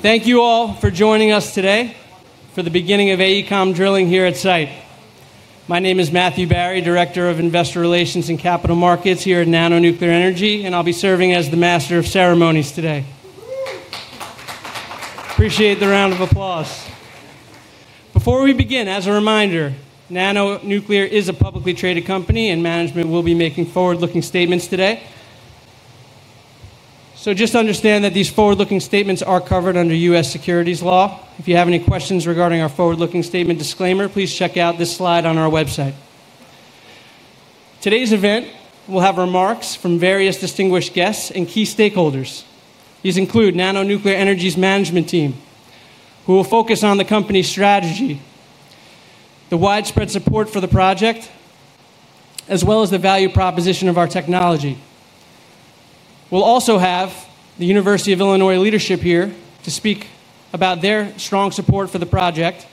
Thank you all for joining us today for the beginning of AECOM drilling here at site. My name is Matthew Barry, Director of Investor Relations and Capital Markets here at NANO Nuclear Energy, and I'll be serving as the Master of Ceremonies today. Appreciate the round of applause. Before we begin, as a reminder, NANO Nuclear is a publicly traded company, and management will be making forward-looking statements today. Just understand that these forward-looking statements are covered under U.S. Securities Law. If you have any questions regarding our forward-looking statement disclaimer, please check out this slide on our website. Today's event will have remarks from various distinguished guests and key stakeholders. These include NANO Nuclear Energy's management team, who will focus on the company's strategy, the widespread support for the project, as well as the value proposition of our technology. We'll also have the University of Illinois leadership here to speak about their strong support for the project.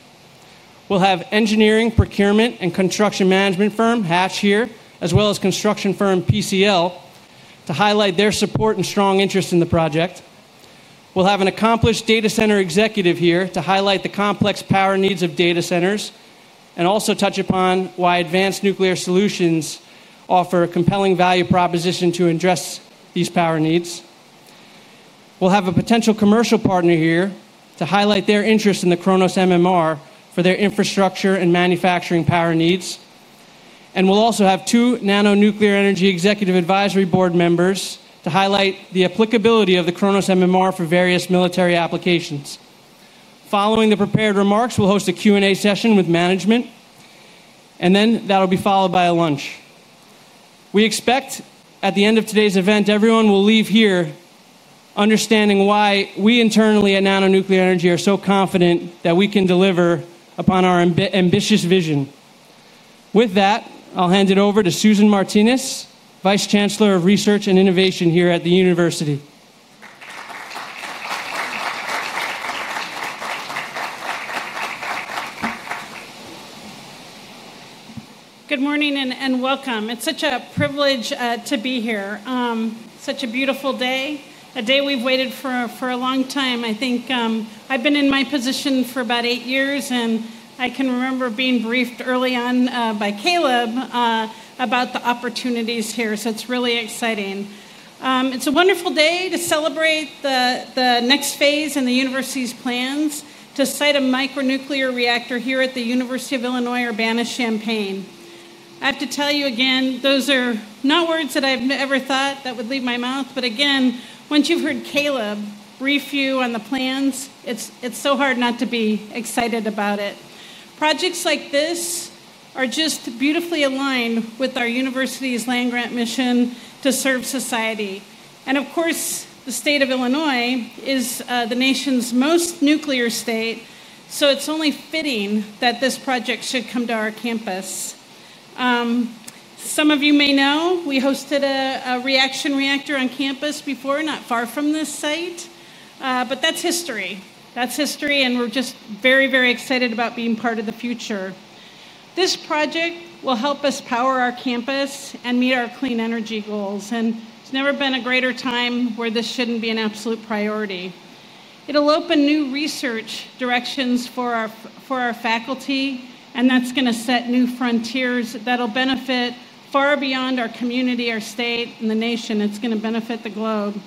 We'll have engineering, procurement, and construction management firm Hatch here, as well as construction firm PCL Construction, to highlight their support and strong interest in the project. We'll have an accomplished data center executive here to highlight the complex power needs of data centers and also touch upon why advanced nuclear solutions offer a compelling value proposition to address these power needs. We'll have a potential commercial partner here to highlight their interest in the KRONOS MMR for their infrastructure and manufacturing power needs, and we'll also have two NANO Nuclear Energy Executive Advisory Board members to highlight the applicability of the KRONOS MMR for various military applications. Following the prepared remarks, we'll host a Q&A session with management, and then that'll be followed by a lunch. We expect at the end of today's event everyone will leave here understanding why we internally at NANO Nuclear Energy are so confident that we can deliver upon our ambitious vision. With that, I'll hand it over to Susan Martinis, Vice Chancellor of Research and Innovation here at the University. Good morning and welcome. It's such a privilege to be here. Such a beautiful day, a day we've waited for for a long time. I think I've been in my position for about eight years, and I can remember being briefed early on by Caleb about the opportunities here, so it's really exciting. It's a wonderful day to celebrate the next phase in the University's plans to site a micro modular nuclear reactor here at the University of Illinois Urbana-Champaign. I have to tell you again, those are not words that I've ever thought that would leave my mouth, but again, once you've heard Caleb brief you on the plans, it's so hard not to be excited about it. Projects like this are just beautifully aligned with our University's land grant mission to serve society, and of course, the State of Illinois is the nation's most nuclear state, so it's only fitting that this project should come to our campus. Some of you may know we hosted a reactor on campus before, not far from this site, but that's history. That's history, and we're just very, very excited about being part of the future. This project will help us power our campus and meet our clean energy goals, and there's never been a greater time where this shouldn't be an absolute priority. It'll open new research directions for our faculty, and that's going to set new frontiers that'll benefit far beyond our community, our state, and the nation. It's going to benefit the globe.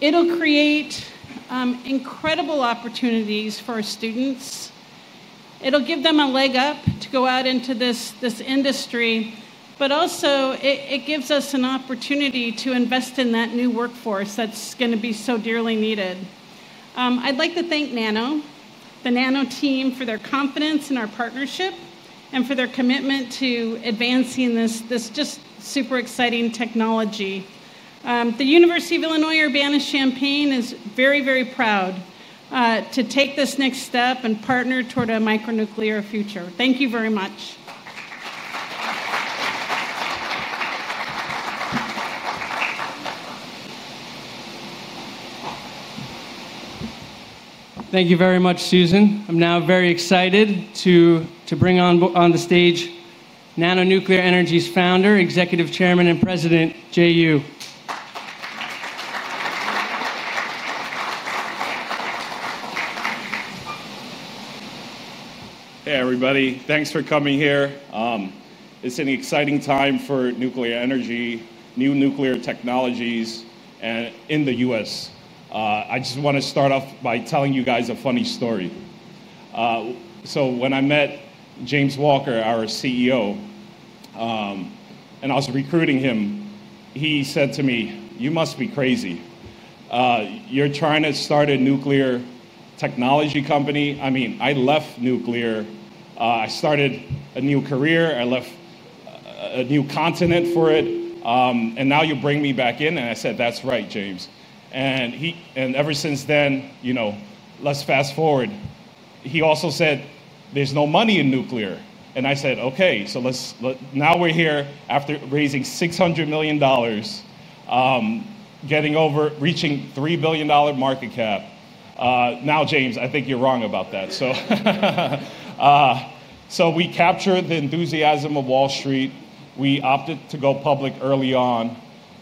It'll create incredible opportunities for students. It'll give them a leg up to go out into this industry, but also it gives us an opportunity to invest in that new workforce that's going to be so dearly needed. I'd like to thank NANO, the NANO team, for their confidence in our partnership and for their commitment to advancing this just super exciting technology. The University of Illinois Urbana-Champaign is very, very proud to take this next step and partner toward a micro modular nuclear future. Thank you very much. Thank you very much, Susan. I'm now very excited to bring on the stage NANO Nuclear Energy's Founder, Executive Chairman and President Jay Yu. Hey everybody, thanks for coming here. It's an exciting time for nuclear energy, new nuclear technologies, and in the U.S. I just want to start off by telling you guys a funny story. When I met James Walker, our CEO, and I was recruiting him, he said to me, "You must be crazy. You're trying to start a nuclear technology company? I mean, I left nuclear. I started a new career. I left a new continent for it, and now you bring me back in?" I said, "That's right, James." Ever since then, let's fast forward. He also said, "There's no money in nuclear." I said, "Okay, so now we're here after raising $600 million, getting over reaching $3 billion market cap. Now, James, I think you're wrong about that." We captured the enthusiasm of Wall Street. We opted to go public early on,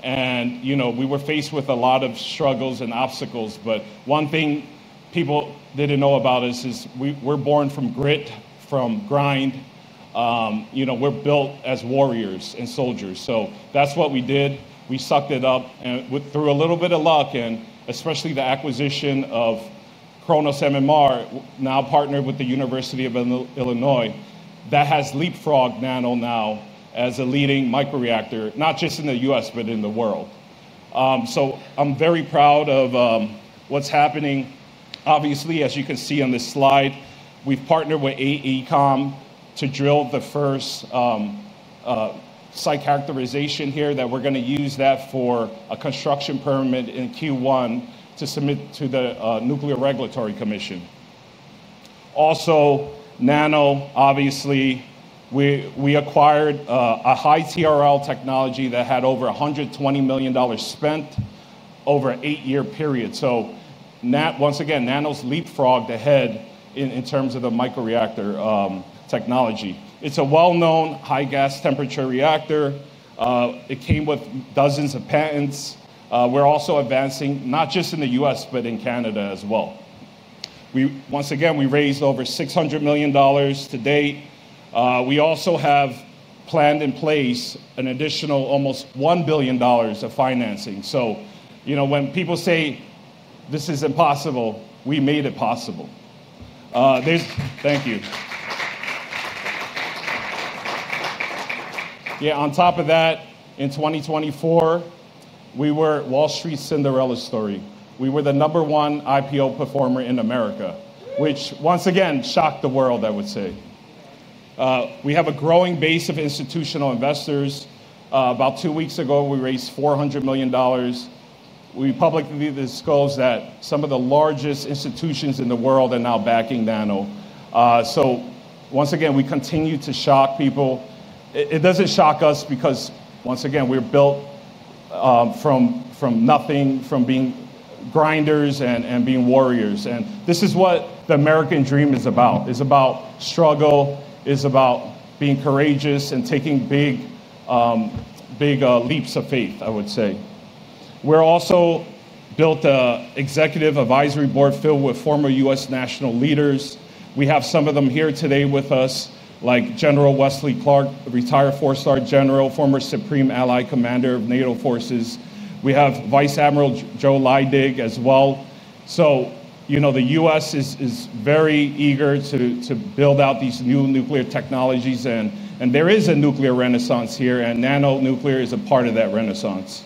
and we were faced with a lot of struggles and obstacles, but one thing people didn't know about us is we're born from grit, from grind. We're built as warriors and soldiers, so that's what we did. We sucked it up and with a little bit of luck and especially the acquisition of KRONOS MMR, now partnered with the University of Illinois Urbana-Champaign, that has leapfrogged NANO Nuclear Energy Inc. now as a leading microreactor, not just in the U.S., but in the world. I'm very proud of what's happening. Obviously, as you can see on this slide, we've partnered with AECOM to drill the first site characterization here that we're going to use for a construction permit in Q1 to submit to the U.S. Nuclear Regulatory Commission. Also, NANO, obviously, we acquired a high TRL technology that had over $120 million spent over an eight-year period. Once again, NANO's leapfrogged ahead in terms of the microreactor technology. It's a well-known high-temperature gas-cooled reactor. It came with dozens of patents. We're also advancing not just in the U.S., but in Canada as well. Once again, we raised over $600 million to date. We also have planned in place an additional almost $1 billion of financing. When people say this is impossible, we made it possible. Thank you. On top of that, in 2024, we were Wall Street's Cinderella story. We were the number one IPO performer in America, which once again shocked the world, I would say. We have a growing base of institutional investors. About two weeks ago, we raised $400 million. We publicly disclosed that some of the largest institutions in the world are now backing NANO. Once again, we continue to shock people. It doesn't shock us because, once again, we're built from nothing, from being grinders and being warriors, and this is what the American dream is about. It's about struggle. It's about being courageous and taking big leaps of faith, I would say. We've also built an Executive Advisory Board filled with former U.S. national leaders. We have some of them here today with us, like General Wesley Clark, retired Four Star General, former Supreme Allied Commander of NATO forces. We have Vice Admiral Joe Leidig as well. The U.S. is very eager to build out these new nuclear technologies, and there is a nuclear renaissance here, and NANO Nuclear Energy Inc. is a part of that renaissance.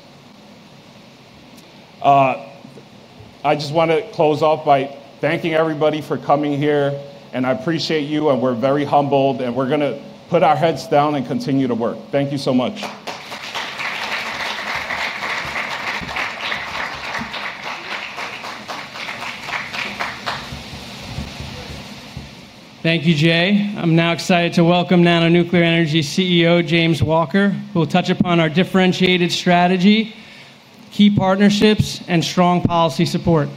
I just want to close off by thanking everybody for coming here, and I appreciate you, and we're very humbled, and we're going to put our heads down and continue to work. Thank you so much. Thank you, Jay. I'm now excited to welcome NANO Nuclear Energy Inc.'s CEO, James Walker, who will touch upon our differentiated strategy, key partnerships, and strong policy support.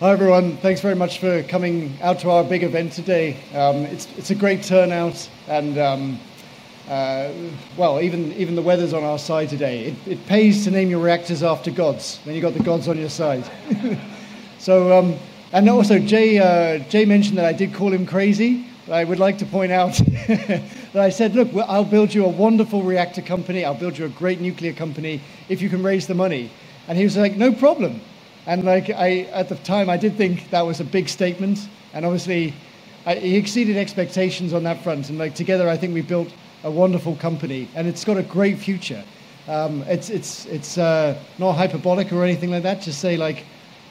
Hi everyone, thanks very much for coming out to our big event today. It's a great turnout, and even the weather's on our side today. It pays to name your reactors after gods. You got the gods on your side. Also, Jay mentioned that I did call him crazy, but I would like to point out that I said, "Look, I'll build you a wonderful reactor company. I'll build you a great nuclear company if you can raise the money." He was like, "No problem." At the time, I did think that was a big statement, and obviously he exceeded expectations on that front. Together I think we built a wonderful company, and it's got a great future. It's not hyperbolic or anything like that, just say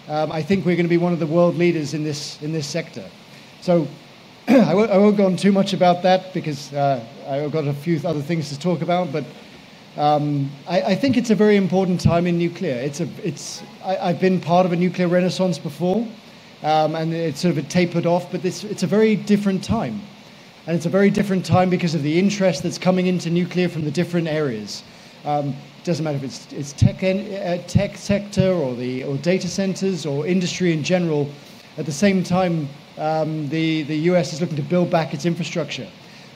I think we're going to be one of the world leaders in this sector. I won't go on too much about that because I've got a few other things to talk about, but I think it's a very important time in nuclear. I've been part of a nuclear renaissance before, and it sort of tapered off, but it's a very different time, and it's a very different time because of the interest that's coming into nuclear from the different areas. It doesn't matter if it's tech sector or data centers or industry in general. At the same time, the U.S. is looking to build back its infrastructure,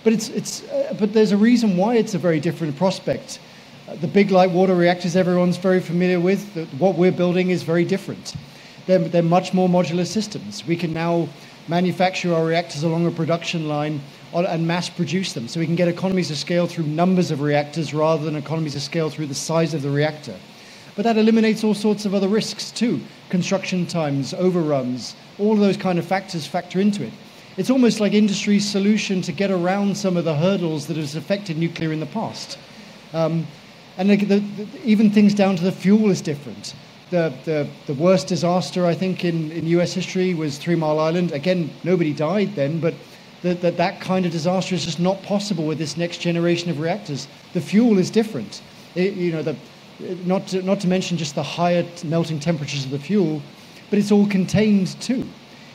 but there's a reason why it's a very different prospect. The big light water reactors everyone's very familiar with, what we're building is very different. They're much more modular systems. We can now manufacture our reactors along a production line and mass produce them, so we can get economies of scale through numbers of reactors rather than economies of scale through the size of the reactor. That eliminates all sorts of other risks too. Construction times, overruns, all of those kind of factors factor into it. It's almost like industry's solution to get around some of the hurdles that have affected nuclear in the past. Even things down to the fuel is different. The worst disaster, I think, in U.S. history was Three Mile Island. Nobody died then, but that kind of disaster is just not possible with this next generation of reactors. The fuel is different. Not to mention just the higher melting temperatures of the fuel, but it's all contained too.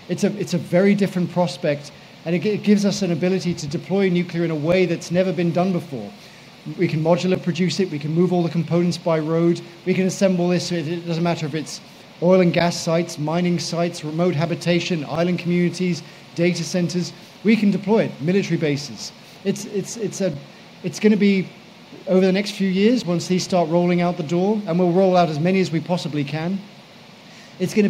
It's a very different prospect, and it gives us an ability to deploy nuclear in a way that's never been done before. We can modular produce it. We can move all the components by road. We can assemble this. It doesn't matter if it's oil and gas sites, mining sites, remote habitation, island communities, data centers. We can deploy it. Military bases. It's going to be over the next few years once these start rolling out the door, and we'll roll out as many as we possibly can. It's going to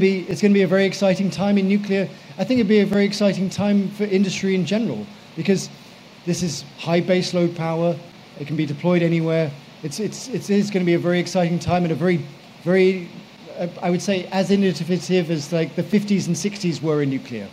be a very exciting time in nuclear. I think it'd be a very exciting time for industry in general because this is high baseload power. It can be deployed anywhere. It's going to be a very exciting time and a very, very, I would say, as innovative as like the 1950s and 1960s were in nuclear.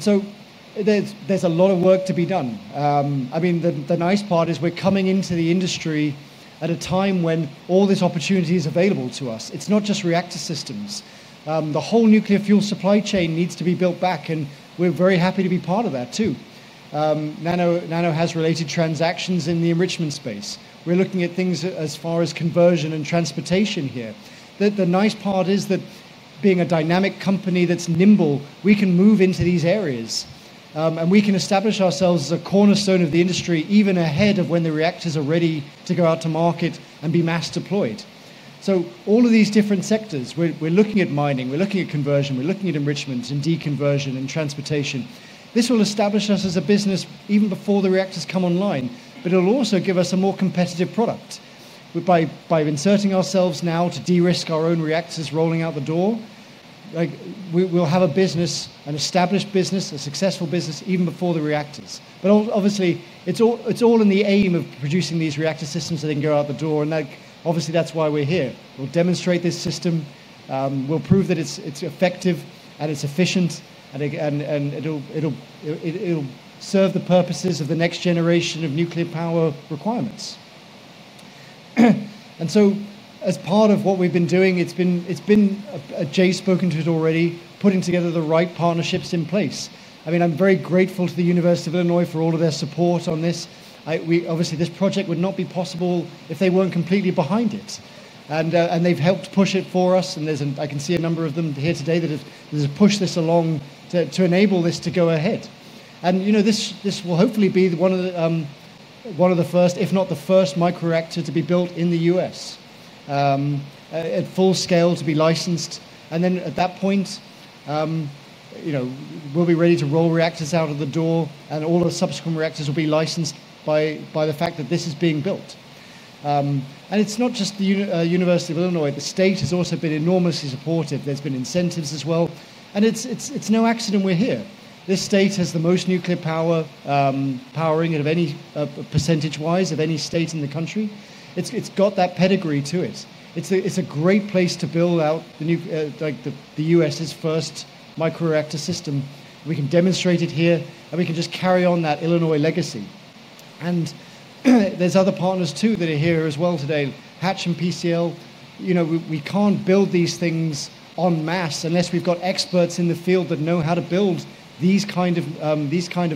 There's a lot of work to be done. The nice part is we're coming into the industry at a time when all this opportunity is available to us. It's not just reactor systems. The whole nuclear fuel supply chain needs to be built back, and we're very happy to be part of that too. NANO. has related transactions in the enrichment space. We're looking at things as far as conversion and transportation here. The nice part is that being a dynamic company that's nimble, we can move into these areas, and we can establish ourselves as a cornerstone of the industry even ahead of when the reactors are ready to go out to market and be mass deployed. All of these different sectors, we're looking at mining. We're looking at conversion. We're looking at enrichment and deconversion and transportation. This will establish us as a business even before the reactors come online, but it'll also give us a more competitive product. By inserting ourselves now to de-risk our own reactors rolling out the door, we'll have a business, an established business, a successful business even before the reactors. Obviously, it's all in the aim of producing these reactor systems that can go out the door, and obviously that's why we're here. We'll demonstrate this system. We'll prove that it's effective, and it's efficient, and it'll serve the purposes of the next generation of nuclear power requirements. As part of what we've been doing, Jay has spoken to it already, putting together the right partnerships in place. I'm very grateful to the University of Illinois Urbana-Champaign for all of their support on this. Obviously, this project would not be possible if they weren't completely behind it, and they've helped push it for us, and I can see a number of them here today that have pushed this along to enable this to go ahead. This will hopefully be one of the first, if not the first, microreactor to be built in the U.S. at full scale to be licensed, and then at that point, we'll be ready to roll reactors out of the door, and all the subsequent reactors will be licensed by the fact that this is being built. It's not just the University of Illinois. The state has also been enormously supportive. There have been incentives as well, and it's no accident we're here. This state has the most nuclear power powering it of any % of any state in the country. It's got that pedigree to it. It's a great place to build out the U.S.'s first microreactor system. We can demonstrate it here, and we can just carry on that Illinois legacy. There are other partners too that are here as well today. Hatch and PCL Construction, we can't build these things en masse unless we've got experts in the field that know how to build these kind of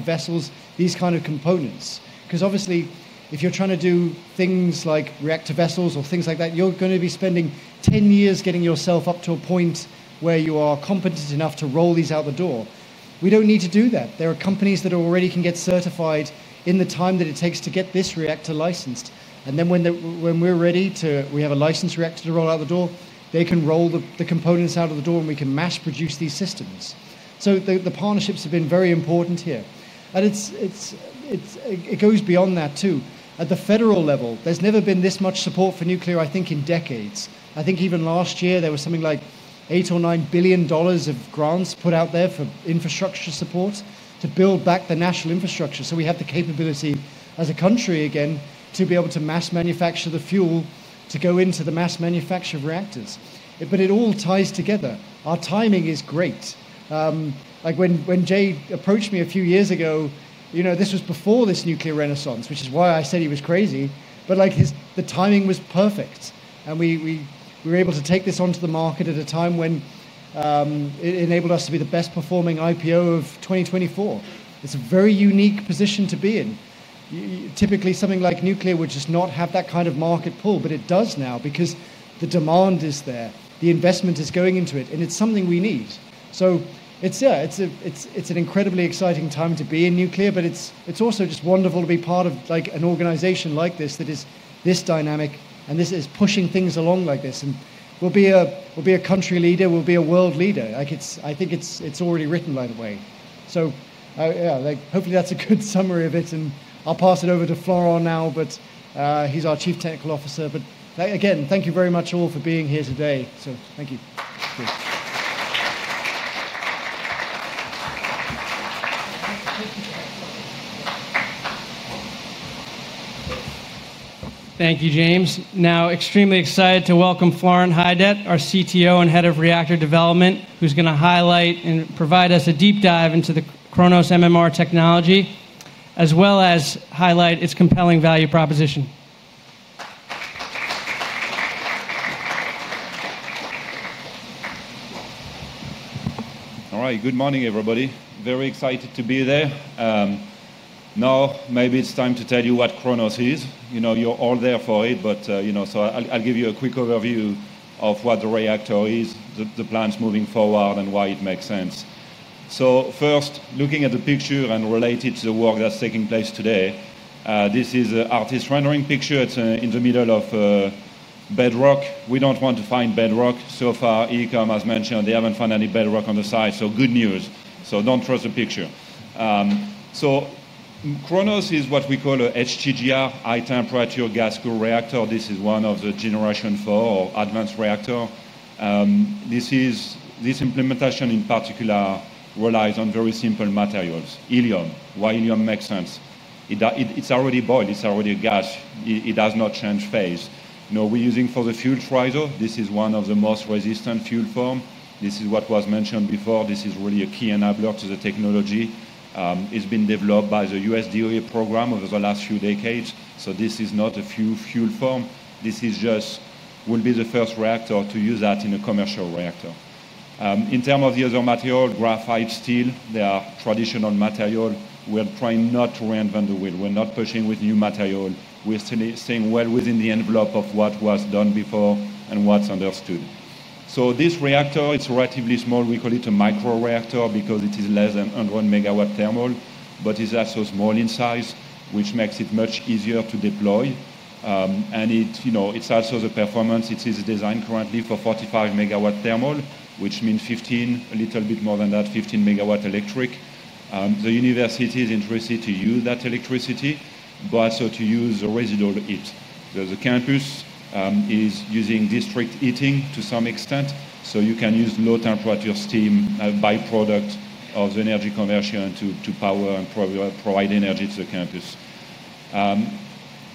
vessels, these kind of components, because obviously if you're trying to do things like reactor vessels or things like that, you're going to be spending 10 years getting yourself up to a point where you are competent enough to roll these out the door. We don't need to do that. There are companies that already can get certified in the time that it takes to get this reactor licensed, and then when we're ready to, we have a licensed reactor to roll out the door, they can roll the components out of the door, and we can mass produce these systems. The partnerships have been very important here. It goes beyond that too. At the federal level, there's never been this much support for nuclear, I think, in decades. I think even last year there was something like $8 billion-$9 billion of grants put out there for infrastructure support to build back the national infrastructure so we have the capability as a country, again, to be able to mass manufacture the fuel to go into the mass manufacture of reactors. It all ties together. Our timing is great. When Jay approached me a few years ago, this was before this nuclear renaissance, which is why I said he was crazy, but the timing was perfect, and we were able to take this onto the market at a time when it enabled us to be the best performing IPO of 2024. It's a very unique position to be in. Typically, something like nuclear would just not have that kind of market pull, but it does now because the demand is there. The investment is going into it, and it's something we need. It's an incredibly exciting time to be in nuclear, and it's also just wonderful to be part of an organization like this that is this dynamic, and that is pushing things along like this. We'll be a country leader. We'll be a world leader. I think it's already written right away. Hopefully that's a good summary of it, and I'll pass it over to Florent now, he's our Chief Technology Officer. Again, thank you very much all for being here today. Thank you. Thank you, James. Now, extremely excited to welcome Florent Heidet, our Chief Technology Officer and Head of Reactor Development, who's going to highlight and provide us a deep dive into the KRONOS MMR technology, as well as highlight its compelling value proposition. All right, good morning everybody. Very excited to be there. Now, maybe it's time to tell you what KRONOS is. You know, you're all there for it, but you know, I'll give you a quick overview of what the reactor is, the plans moving forward, and why it makes sense. First, looking at the picture and related to the work that's taking place today, this is an artist's rendering picture. It's in the middle of bedrock. We don't want to find bedrock. So far, AECOM, as mentioned, they haven't found any bedrock on the site, so good news. Don't trust the picture. KRONOS is what we call a high-temperature gas-cooled reactor. This is one of the Generation IV or advanced reactors. This implementation in particular relies on very simple materials, helium. Why helium makes sense: it's already boiled, it's already a gas, it does not change phase. We're using for the fuel TRISO. This is one of the most resistant fuel forms. This is what was mentioned before. This is really a key enabler to the technology. It's been developed by the U.S. DOE program over the last few decades. This is not a new fuel form. This will be the first reactor to use that in a commercial reactor. In terms of the other material, graphite, steel, they are traditional materials. We're trying not to reinvent the wheel. We're not pushing with new materials. We're staying well within the envelope of what was done before and what's understood. This reactor, it's relatively small. We call it a microreactor because it is less than 100 MW thermal, but it's also small in size, which makes it much easier to deploy. It's also the performance. It is designed currently for 45 MW thermal, which means 15, a little bit more than that, 15 MW electric. The university is interested to use that electricity, but also to use the residual heat. The campus is using district heating to some extent, so you can use low temperature steam as a byproduct of the energy conversion to power and provide energy to the campus.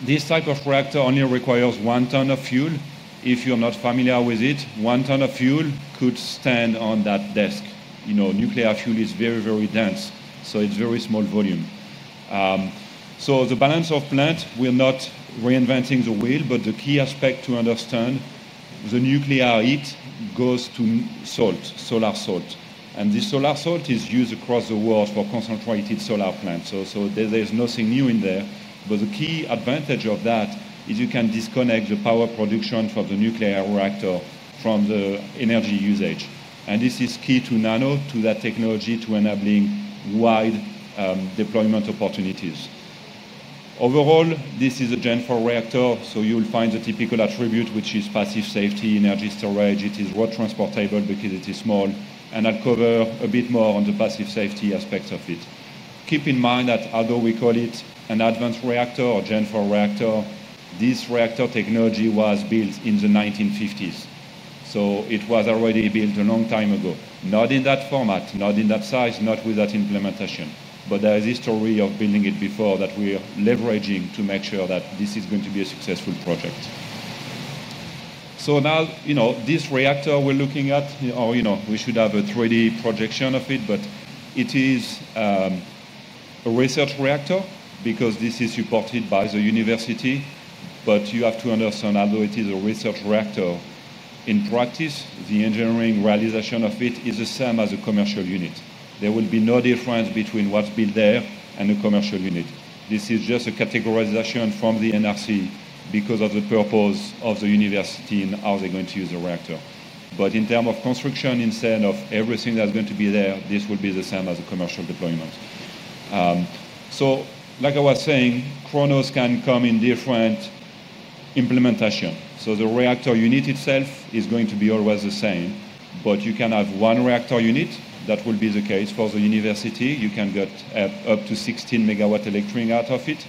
This type of reactor only requires one ton of fuel. If you're not familiar with it, one ton of fuel could stand on that desk. Nuclear fuel is very, very dense, so it's a very small volume. The balance of plant, we're not reinventing the wheel, but the key aspect to understand, the nuclear heat goes to salt, solar salt. This solar salt is used across the world for concentrated solar plants. There's nothing new in there, but the key advantage of that is you can disconnect the power production for the nuclear reactor from the energy usage. This is key to NANO, to that technology, to enabling wide deployment opportunities. Overall, this is a Generation IV microreactor, so you'll find the typical attribute, which is passive safety, energy storage. It is road transportable because it is small, and I'll cover a bit more on the passive safety aspects of it. Keep in mind that although we call it an advanced reactor or Generation IV microreactor, this reactor technology was built in the 1950s. It was already built a long time ago, not in that format, not in that size, not with that implementation, but there is a story of building it before that we're leveraging to make sure that this is going to be a successful project. Now, this reactor we're looking at, or we should have a 3D projection of it, but it is a research reactor because this is supported by the university. You have to understand although it is a research reactor, in practice, the engineering realization of it is the same as a commercial unit. There will be no difference between what's built there and a commercial unit. This is just a categorization from the U.S. Nuclear Regulatory Commission because of the purpose of the university and how they're going to use the reactor. In terms of construction and everything that's going to be there, this will be the same as a commercial deployment. Like I was saying, KRONOS can come in different implementations. The reactor unit itself is going to be always the same, but you can have one reactor unit. That will be the case for the university. You can get up to 16 MW electric out of it.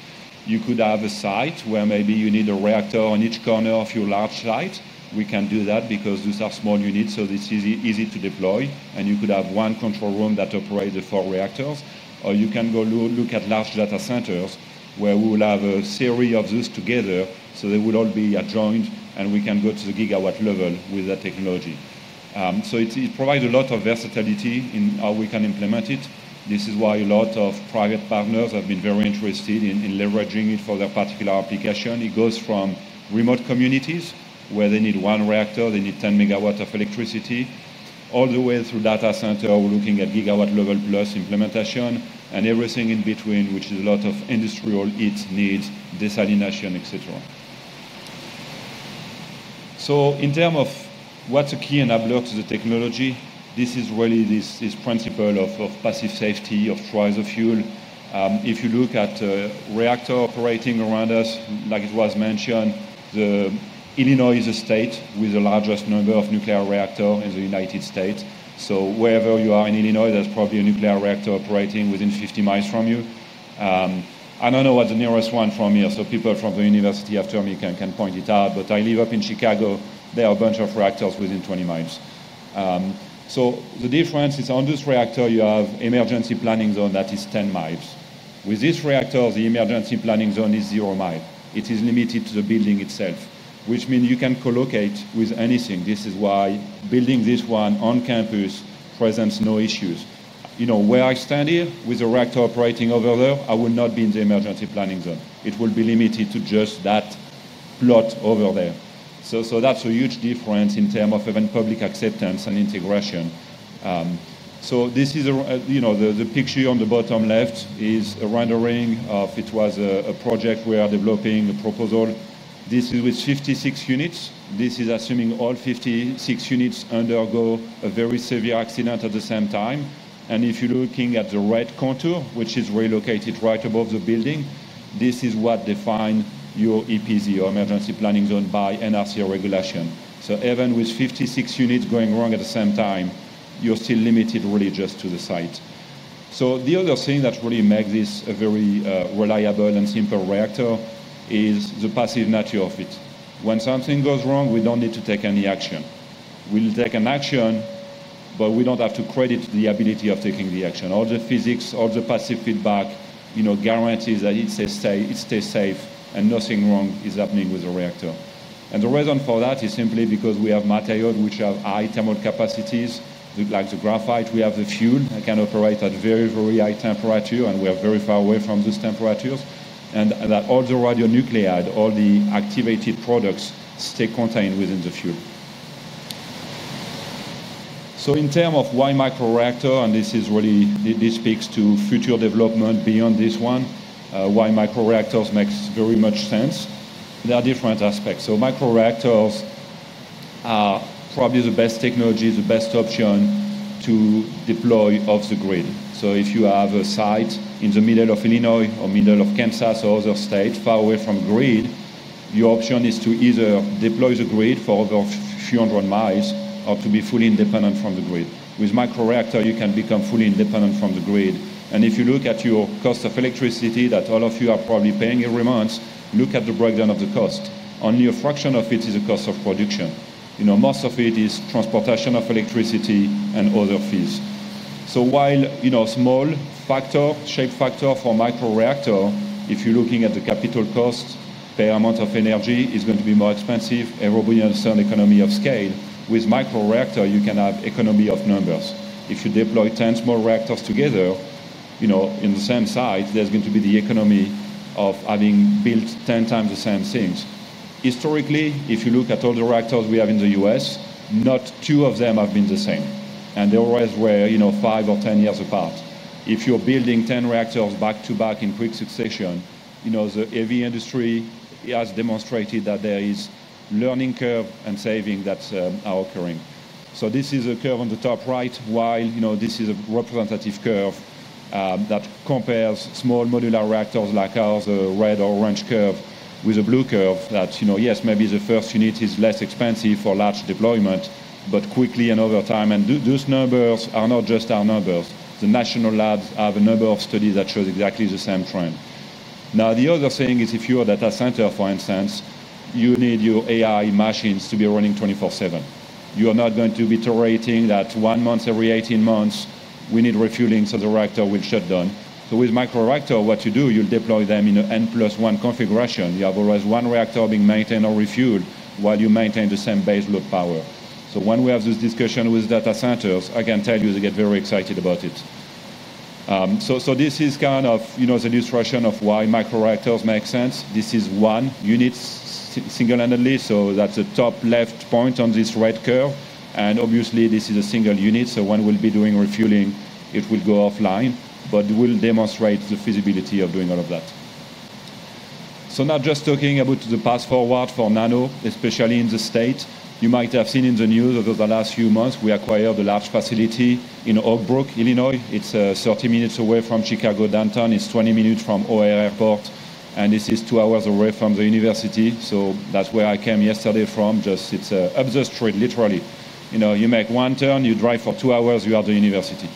You could have a site where maybe you need a reactor on each corner of your large site. We can do that because those are small units, so this is easy to deploy, and you could have one control room that operates the four reactors, or you can look at large data centers where we will have a series of those together, so they will all be adjoined, and we can go to the GW level with that technology. It provides a lot of versatility in how we can implement it. This is why a lot of private partners have been very interested in leveraging it for their particular application. It goes from remote communities where they need one reactor, they need 10 MW of electricity, all the way through data center, we're looking at GW level plus implementation and everything in between, which is a lot of industrial heat needs, desalination, etc. In terms of what's a key enabler to the technology, this is really this principle of passive safety of TRISO-fuel. If you look at a reactor operating around us, like it was mentioned, Illinois is a state with the largest number of nuclear reactors in the United States. Wherever you are in Illinois, there's probably a nuclear reactor operating within 50 mi from you. I don't know what the nearest one from here is, so people from the university after me can point it out, but I live up in Chicago. There are a bunch of reactors within 20 mi. The difference is on this reactor, you have an emergency planning zone that is 10 mi. With this reactor, the emergency planning zone is zero miles. It is limited to the building itself, which means you can co-locate with anything. This is why building this one on campus presents no issues. Where I stand here with a reactor operating over there, I will not be in the emergency planning zone. It will be limited to just that plot over there. That's a huge difference in terms of even public acceptance and integration. The picture on the bottom left is a rendering of a project we are developing, a proposal. This is with 56 units. This is assuming all 56 units undergo a very severe accident at the same time, and if you're looking at the red contour, which is relocated right above the building, this is what defines your EPZ or emergency planning zone by NRC regulation. Even with 56 units going wrong at the same time, you're still limited really just to the site. The other thing that really makes this a very reliable and simple reactor is the passive nature of it. When something goes wrong, we don't need to take any action. We'll take an action, but we don't have to credit the ability of taking the action. All the physics, all the passive feedback guarantees that it stays safe and nothing wrong is happening with the reactor. The reason for that is simply because we have materials which have high thermal capacities, like the graphite. We have the fuel that can operate at very, very high temperature, and we are very far away from those temperatures, and all the radionuclides, all the activated products stay contained within the fuel. In terms of why micro reactors, and this really speaks to future development beyond this one, why micro reactors make very much sense, there are different aspects. Micro reactors are probably the best technology, the best option to deploy off the grid. If you have a site in the middle of Illinois or middle of Kansas or other states far away from grid, your option is to either deploy the grid for over a few hundred miles or to be fully independent from the grid. With micro reactors, you can become fully independent from the grid, and if you look at your cost of electricity that all of you are probably paying every month, look at the breakdown of the cost. Only a fraction of it is the cost of production. Most of it is transportation of electricity and other fees. While, you know, small factor, shape factor for micro reactor, if you're looking at the capital cost, pay amount of energy is going to be more expensive. Everybody understands the economy of scale. With micro reactors, you can have economy of numbers. If you deploy 10 small reactors together in the same site, there's going to be the economy of having built 10 times the same things. Historically, if you look at all the reactors we have in the U.S., not two of them have been the same, and they always were five or ten years apart. If you're building 10 reactors back to back in quick succession, the heavy industry has demonstrated that there is a learning curve and savings that are occurring. This is a curve on the top right, this is a representative curve that compares small modular reactors like ours, the red or orange curve, with a blue curve that, yes, maybe the first unit is less expensive for large deployment, but quickly and over time, and those numbers are not just our numbers. The national labs have a number of studies that show exactly the same trend. The other thing is if you're a data center, for instance, you need your AI machines to be running 24/7. You're not going to be tolerating that one month every 18 months we need refueling so the reactor will shut down. With micro reactors, what you do, you'll deploy them in an n + 1 configuration. You have always one reactor being maintained or refueled while you maintain the same baseload power. When we have this discussion with data centers, I can tell you they get very excited about it. This is kind of, you know, the illustration of why microreactors make sense. This is one unit single-handedly, so that's the top left point on this red curve, and obviously this is a single unit, so when we'll be doing refueling, it will go offline, but we'll demonstrate the feasibility of doing all of that. Not just talking about the path forward for NANO, especially in the state. You might have seen in the news over the last few months, we acquired a large facility in Oak Brook, Illinois. It's 30 minutes away from Chicago downtown. It's 20 minutes from O'Hare Airport, and this is two hours away from the university, so that's where I came yesterday from. It's up the street, literally. You make one turn, you drive for two hours, you're at the university.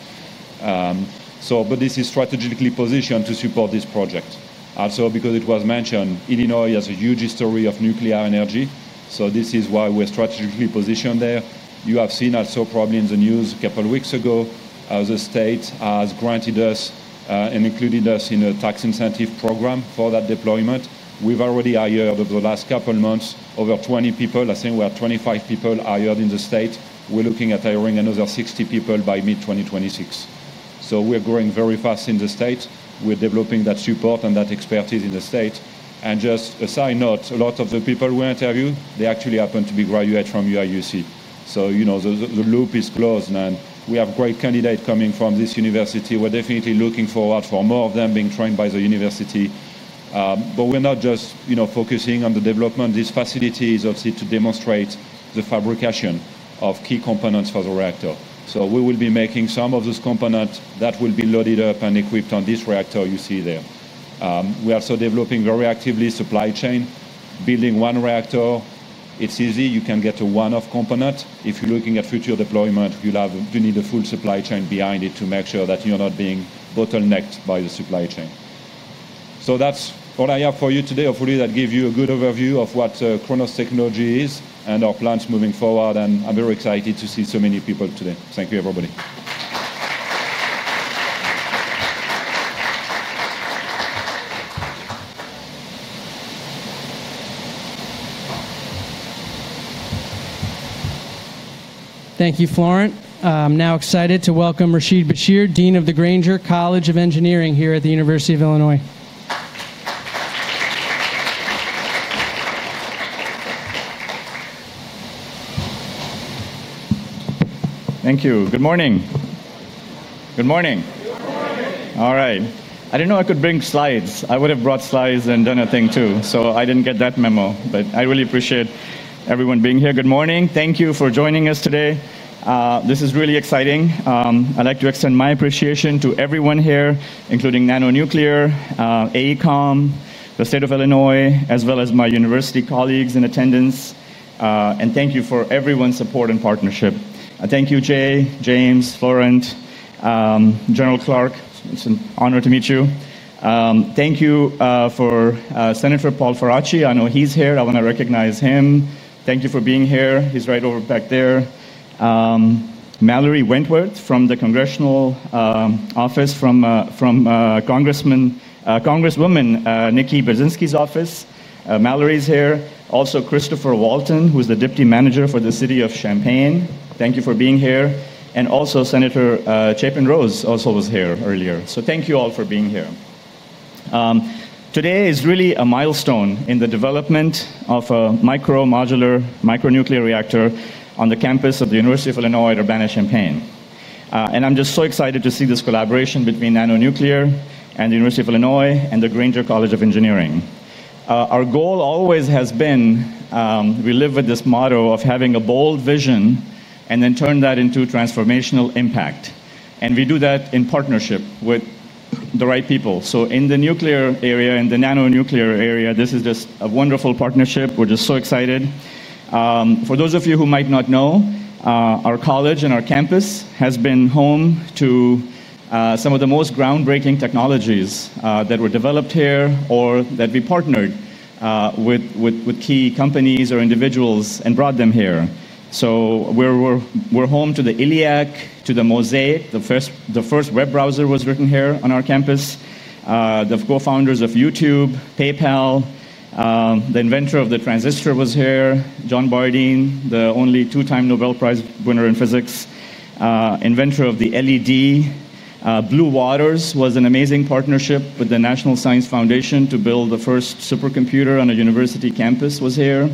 This is strategically positioned to support this project. Also, because it was mentioned, Illinois has a huge history of nuclear energy, so this is why we're strategically positioned there. You have seen also probably in the news a couple of weeks ago how the state has granted us and included us in a tax incentive program for that deployment. We've already hired over the last couple of months over 20 people. I think we are 25 people hired in the state. We're looking at hiring another 60 people by mid-2026. We're growing very fast in the state. We're developing that support and that expertise in the state. Just a side note, a lot of the people we interviewed, they actually happen to be graduates from the University of Illinois Urbana-Champaign. The loop is closed, and we have great candidates coming from this university. We're definitely looking forward to more of them being trained by the university. We're not just focusing on the development. This facility is obviously to demonstrate the fabrication of key components for the reactor. We will be making some of those components that will be loaded up and equipped on this reactor you see there. We're also developing very actively supply chain, building one reactor. It's easy. You can get a one-off component. If you're looking at future deployment, you need a full supply chain behind it to make sure that you're not being bottlenecked by the supply chain. That's all I have for you today. Hopefully, that gives you a good overview of what KRONOS technology is and our plans moving forward. I'm very excited to see so many people today. Thank you, everybody. Thank you, Florent. I'm now excited to welcome Rashid Bashir, Dean of the Grainger College of Engineering here at the University of Illinois. Thank you. Good morning. Good morning. Good morning. All right. I didn't know I could bring slides. I would have brought slides and done a thing too, so I didn't get that memo, but I really appreciate everyone being here. Good morning. Thank you for joining us today. This is really exciting. I'd like to extend my appreciation to everyone here, including NANO Nuclear Energy Inc., AECOM, the State of Illinois, as well as my university colleagues in attendance, and thank you for everyone's support and partnership. I thank you, Jay, James, Florent, General Clark. It's an honor to meet you. Thank you for Senator Paul Faraci. I know he's here. I want to recognize him. Thank you for being here. He's right over back there. Mallory Wentworth from the Congressional Office from Congresswoman Nikki Budzinski's office. Mallory's here. Also, Christopher Walton, who's the Deputy Manager for the City of Champaign. Thank you for being here. Also, Senator Chapin Rose also was here earlier. Thank you all for being here. Today is really a milestone in the development of a micro modular nuclear reactor on the campus of the University of Illinois Urbana-Champaign, and I'm just so excited to see this collaboration between NANO Nuclear Energy Inc. and the University of Illinois and the Grainger College of Engineering. Our goal always has been, we live with this motto of having a bold vision and then turn that into transformational impact, and we do that in partnership with the right people. In the nuclear area and the NANO Nuclear Energy Inc. area, this is just a wonderful partnership. We're just so excited. For those of you who might not know, our college and our campus has been home to some of the most groundbreaking technologies that were developed here or that we partnered with key companies or individuals and brought them here. We're home to the ILLIAC, to the Mosaic. The first web browser was written here on our campus. The co-founders of YouTube, PayPal, the inventor of the transistor was here, John Bardeen, the only two-time Nobel Prize winner in physics, inventor of the LED. Blue Waters was an amazing partnership with the National Science Foundation to build the first supercomputer on a university campus was here.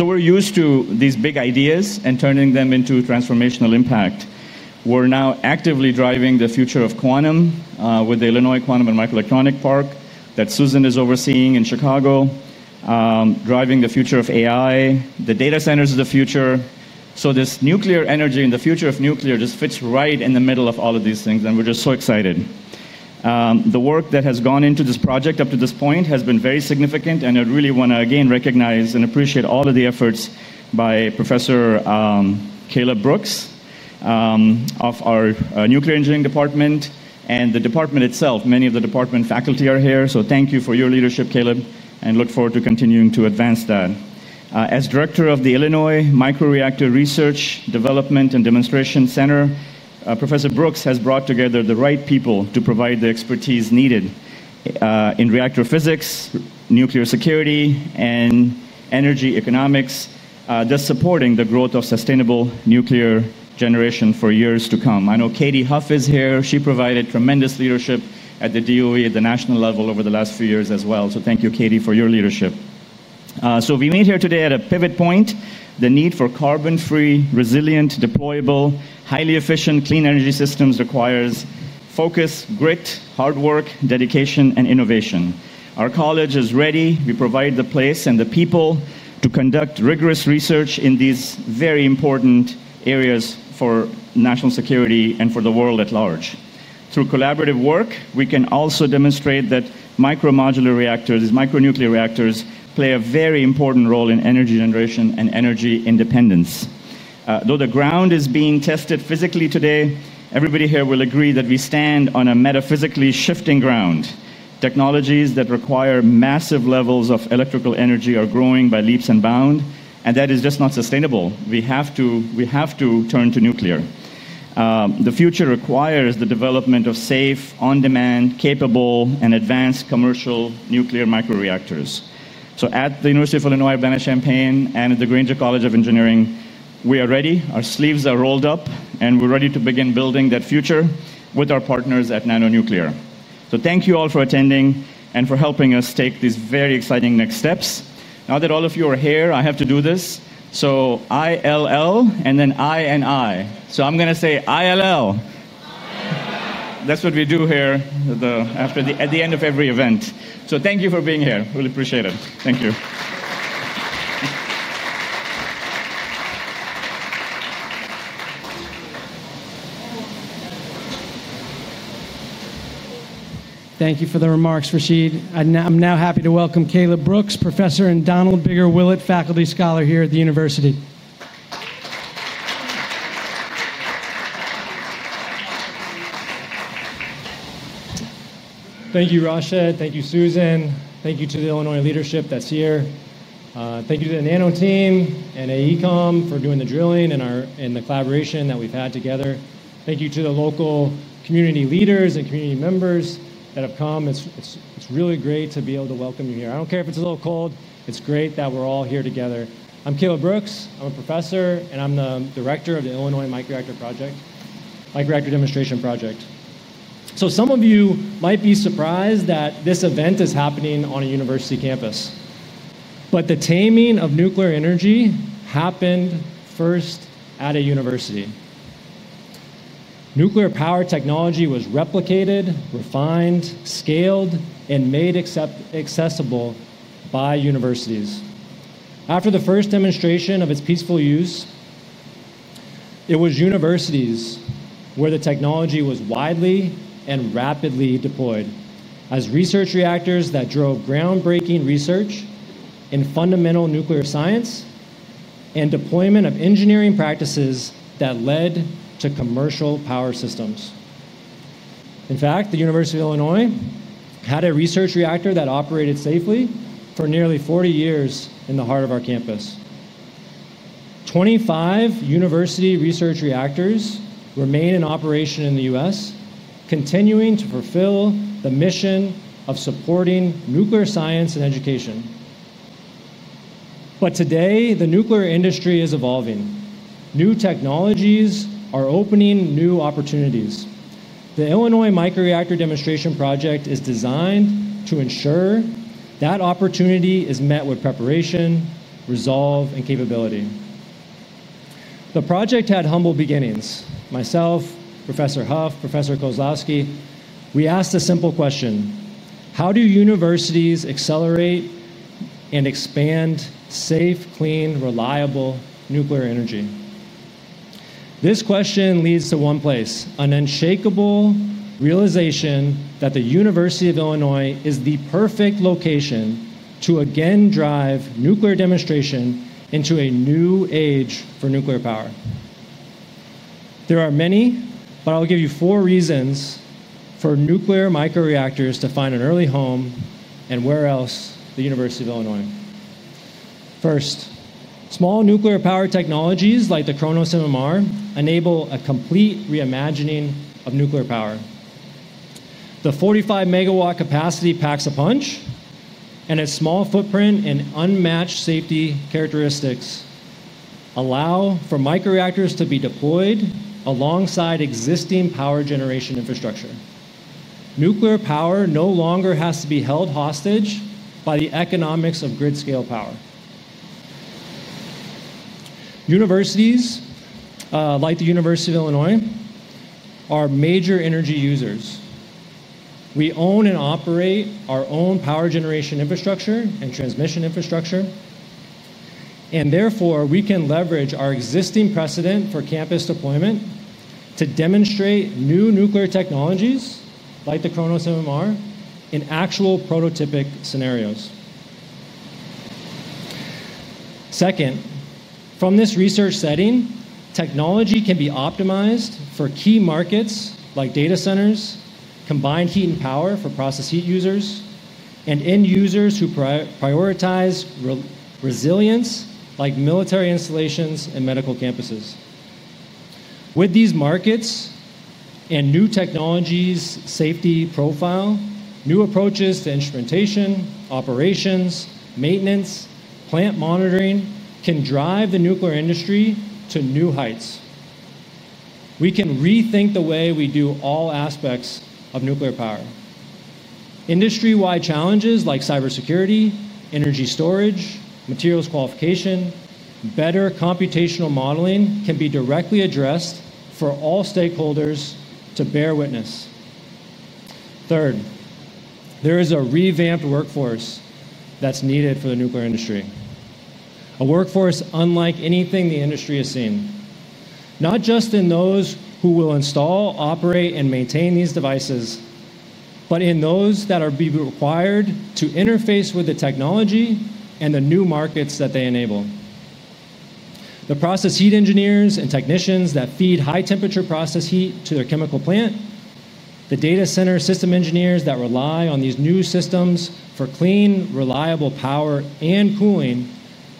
We're used to these big ideas and turning them into transformational impact. We're now actively driving the future of quantum with the Illinois Quantum and Microelectronic Park that Susan is overseeing in Chicago, driving the future of AI, the data centers of the future. This nuclear energy and the future of nuclear just fits right in the middle of all of these things, and we're just so excited. The work that has gone into this project up to this point has been very significant, and I really want to again recognize and appreciate all of the efforts by Professor Caleb Brooks of our Nuclear Engineering Department and the department itself. Many of the department faculty are here, so thank you for your leadership, Caleb, and look forward to continuing to advance that. As Director of the Illinois Microreactor Research Development and Demonstration Center, Professor Brooks has brought together the right people to provide the expertise needed in reactor physics, nuclear security, and energy economics, thus supporting the growth of sustainable nuclear generation for years to come. I know Katie Huff is here. She provided tremendous leadership at the DOE at the national level over the last few years as well, so thank you, Katie, for your leadership. We meet here today at a pivot point. The need for carbon-free, resilient, deployable, highly efficient clean energy systems requires focus, grit, hard work, dedication, and innovation. Our college is ready. We provide the place and the people to conduct rigorous research in these very important areas for national security and for the world at large. Through collaborative work, we can also demonstrate that micro modular reactors, these micronuclear reactors, play a very important role in energy generation and energy independence. Though the ground is being tested physically today, everybody here will agree that we stand on a metaphysically shifting ground. Technologies that require massive levels of electrical energy are growing by leaps and bounds, and that is just not sustainable. We have to turn to nuclear. The future requires the development of safe, on-demand, capable, and advanced commercial nuclear microreactors. At the University of Illinois Urbana-Champaign and at the Grainger College of Engineering, we are ready. Our sleeves are rolled up, and we're ready to begin building that future with our partners at NANO Nuclear. Thank you all for attending and for helping us take these very exciting next steps. Now that all of you are here, I have to do this. I-L-L and then I-N-I. I'm going to say I-L-L. That's what we do here at the end of every event. Thank you for being here. Really appreciate it. Thank you. Thank you for the remarks, Rashid. I'm now happy to welcome Caleb Brooks, Professor and Donald Biggar Willett Faculty Scholar here at the University. Thank you, Rashid. Thank you, Susan. Thank you to the Illinois leadership that's here. Thank you to the NANO team and AECOM for doing the drilling and the collaboration that we've had together. Thank you to the local community leaders and community members that have come. It's really great to be able to welcome you here. I don't care if it's a little cold. It's great that we're all here together. I'm Caleb Brooks. I'm a Professor, and I'm the Director of the Illinois Microreactor Demonstration Project. Some of you might be surprised that this event is happening on a university campus, but the taming of nuclear energy happened first at a university. Nuclear power technology was replicated, refined, scaled, and made accessible by universities. After the first demonstration of its peaceful use, it was universities where the technology was widely and rapidly deployed as research reactors that drove groundbreaking research in fundamental nuclear science and deployment of engineering practices that led to commercial power systems. In fact, the University of Illinois had a research reactor that operated safely for nearly 40 years in the heart of our campus. 25 university research reactors remain in operation in the U.S., continuing to fulfill the mission of supporting nuclear science and education. Today, the nuclear industry is evolving. New technologies are opening new opportunities. The Illinois Microreactor Demonstration Project is designed to ensure that opportunity is met with preparation, resolve, and capability. The project had humble beginnings. Myself, Professor Huff, Professor Kozlowski, we asked a simple question: How do universities accelerate and expand safe, clean, reliable nuclear energy? This question leads to one place, an unshakable realization that the University of Illinois is the perfect location to again drive nuclear demonstration into a new age for nuclear power. There are many, but I'll give you four reasons for nuclear microreactors to find an early home and where else the University of Illinois. First, small nuclear power technologies like the KRONOS MMR enable a complete reimagining of nuclear power. The 45 MW capacity packs a punch, and its small footprint and unmatched safety characteristics allow for microreactors to be deployed alongside existing power generation infrastructure. Nuclear power no longer has to be held hostage by the economics of grid-scale power. Universities like the University of Illinois are major energy users. We own and operate our own power generation infrastructure and transmission infrastructure, and therefore we can leverage our existing precedent for campus deployment to demonstrate new nuclear technologies like the KRONOS MMR in actual prototypic scenarios. Second, from this research setting, technology can be optimized for key markets like data centers, combined heat and power for process heat users, and end users who prioritize resilience like military installations and medical campuses. With these markets and new technologies' safety profile, new approaches to instrumentation, operations, maintenance, and plant monitoring can drive the nuclear industry to new heights. We can rethink the way we do all aspects of nuclear power. Industry-wide challenges like cybersecurity, energy storage, materials qualification, and better computational modeling can be directly addressed for all stakeholders to bear witness. Third, there is a revamped workforce that's needed for the nuclear industry, a workforce unlike anything the industry has seen, not just in those who will install, operate, and maintain these devices, but in those that will be required to interface with the technology and the new markets that they enable. The process heat engineers and technicians that feed high-temperature process heat to their chemical plant, the data center system engineers that rely on these new systems for clean, reliable power and cooling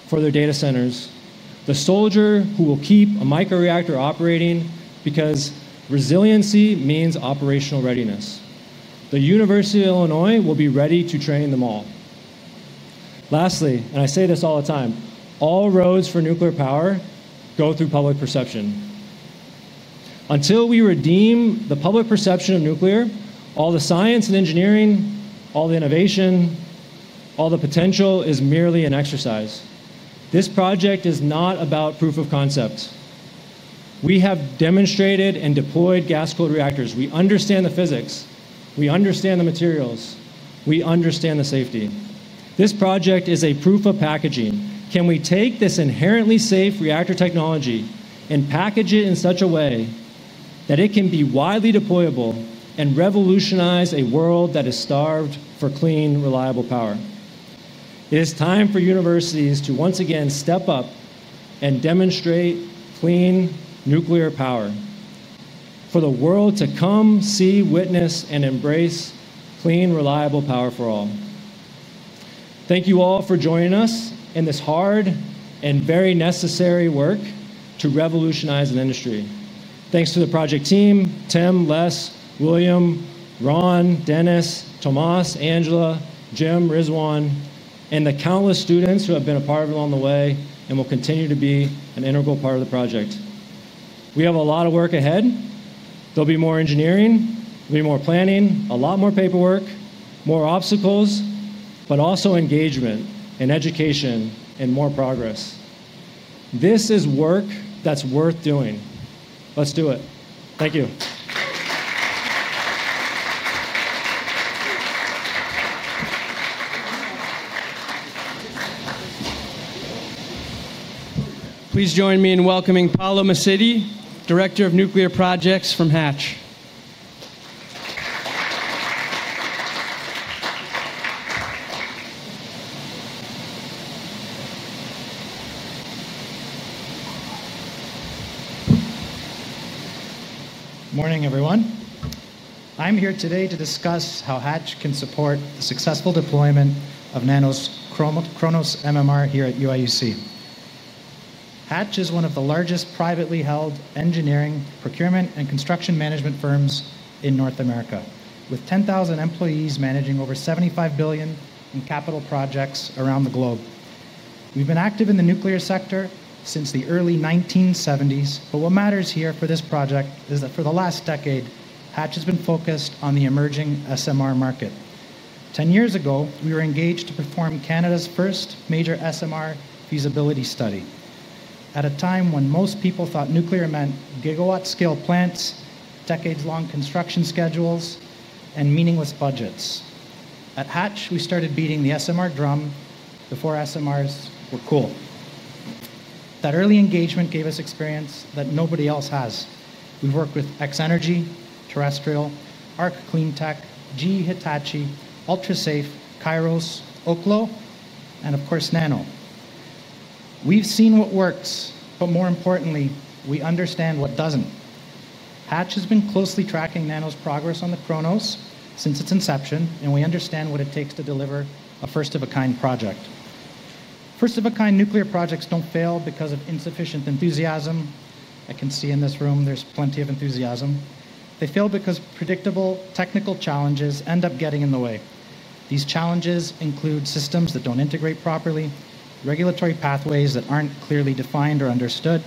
for their data centers, the soldier who will keep a microreactor operating because resiliency means operational readiness. The University of Illinois will be ready to train them all. Lastly, and I say this all the time, all roads for nuclear power go through public perception. Until we redeem the public perception of nuclear, all the science and engineering, all the innovation, all the potential is merely an exercise. This project is not about proof of concept. We have demonstrated and deployed gas core reactors. We understand the physics. We understand the materials. We understand the safety. This project is a proof of packaging. Can we take this inherently safe reactor technology and package it in such a way that it can be widely deployable and revolutionize a world that is starved for clean, reliable power? It is time for universities to once again step up and demonstrate clean nuclear power for the world to come, see, witness, and embrace clean, reliable power for all. Thank you all for joining us in this hard and very necessary work to revolutionize an industry. Thanks to the project team: Tim, Les, William, Ron, Dennis, Tomas, Angela, Jim, Rizwan, and the countless students who have been a part of it along the way and will continue to be an integral part of the project. We have a lot of work ahead. There'll be more engineering, more planning, a lot more paperwork, more obstacles, but also engagement and education and more progress. This is work that's worth doing. Let's do it. Thank you. Please join me in welcoming Paolo Mesiti, Director of Nuclear Projects from Hatch. Morning everyone. I'm here today to discuss how Hatch can support the successful deployment of NANO's KRONOS MMR Energy System here at the University of Illinois Urbana-Champaign. Hatch is one of the largest privately held engineering, procurement, and construction management firms in North America, with 10,000 employees managing over $75 billion in capital projects around the globe. We've been active in the nuclear sector since the early 1970s, but what matters here for this project is that for the last decade, Hatch has been focused on the emerging SMR market. Ten years ago, we were engaged to perform Canada's first major SMR feasibility study at a time when most people thought nuclear meant GW-scale plants, decades-long construction schedules, and meaningless budgets. At Hatch, we started beating the SMR drum before SMRs were cool. That early engagement gave us experience that nobody else has. We've worked with X-energy, Terrestrial, ARC Clean Technology, GE Hitachi, Ultra Safe Nuclear, Kairos, Oklo, and of course NANO Nuclear Energy Inc. We've seen what works, but more importantly, we understand what doesn't. Hatch has been closely tracking NANO Nuclear Energy Inc.'s progress on the KRONOS MMR Energy System since its inception, and we understand what it takes to deliver a first-of-a-kind project. First-of-a-kind nuclear projects don't fail because of insufficient enthusiasm. I can see in this room there's plenty of enthusiasm. They fail because predictable technical challenges end up getting in the way. These challenges include systems that don't integrate properly, regulatory pathways that aren't clearly defined or understood,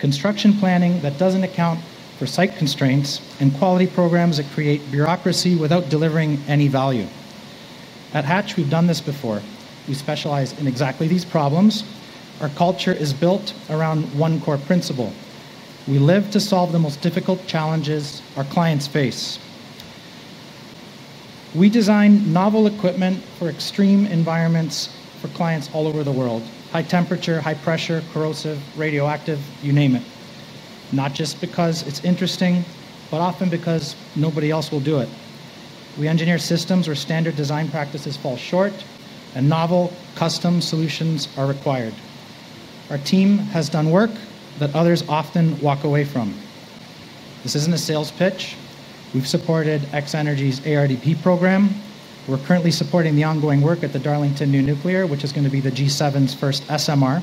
construction planning that doesn't account for site constraints, and quality programs that create bureaucracy without delivering any value. At Hatch, we've done this before. We specialize in exactly these problems. Our culture is built around one core principle. We live to solve the most difficult challenges our clients face. We design novel equipment for extreme environments for clients all over the world: high temperature, high pressure, corrosive, radioactive, you name it. Not just because it's interesting, but often because nobody else will do it. We engineer systems where standard design practices fall short, and novel, custom solutions are required. Our team has done work that others often walk away from. This isn't a sales pitch. We've supported X-energy's ARDP program. We're currently supporting the ongoing work at the Darlington New Nuclear, which is going to be the G7's first SMR,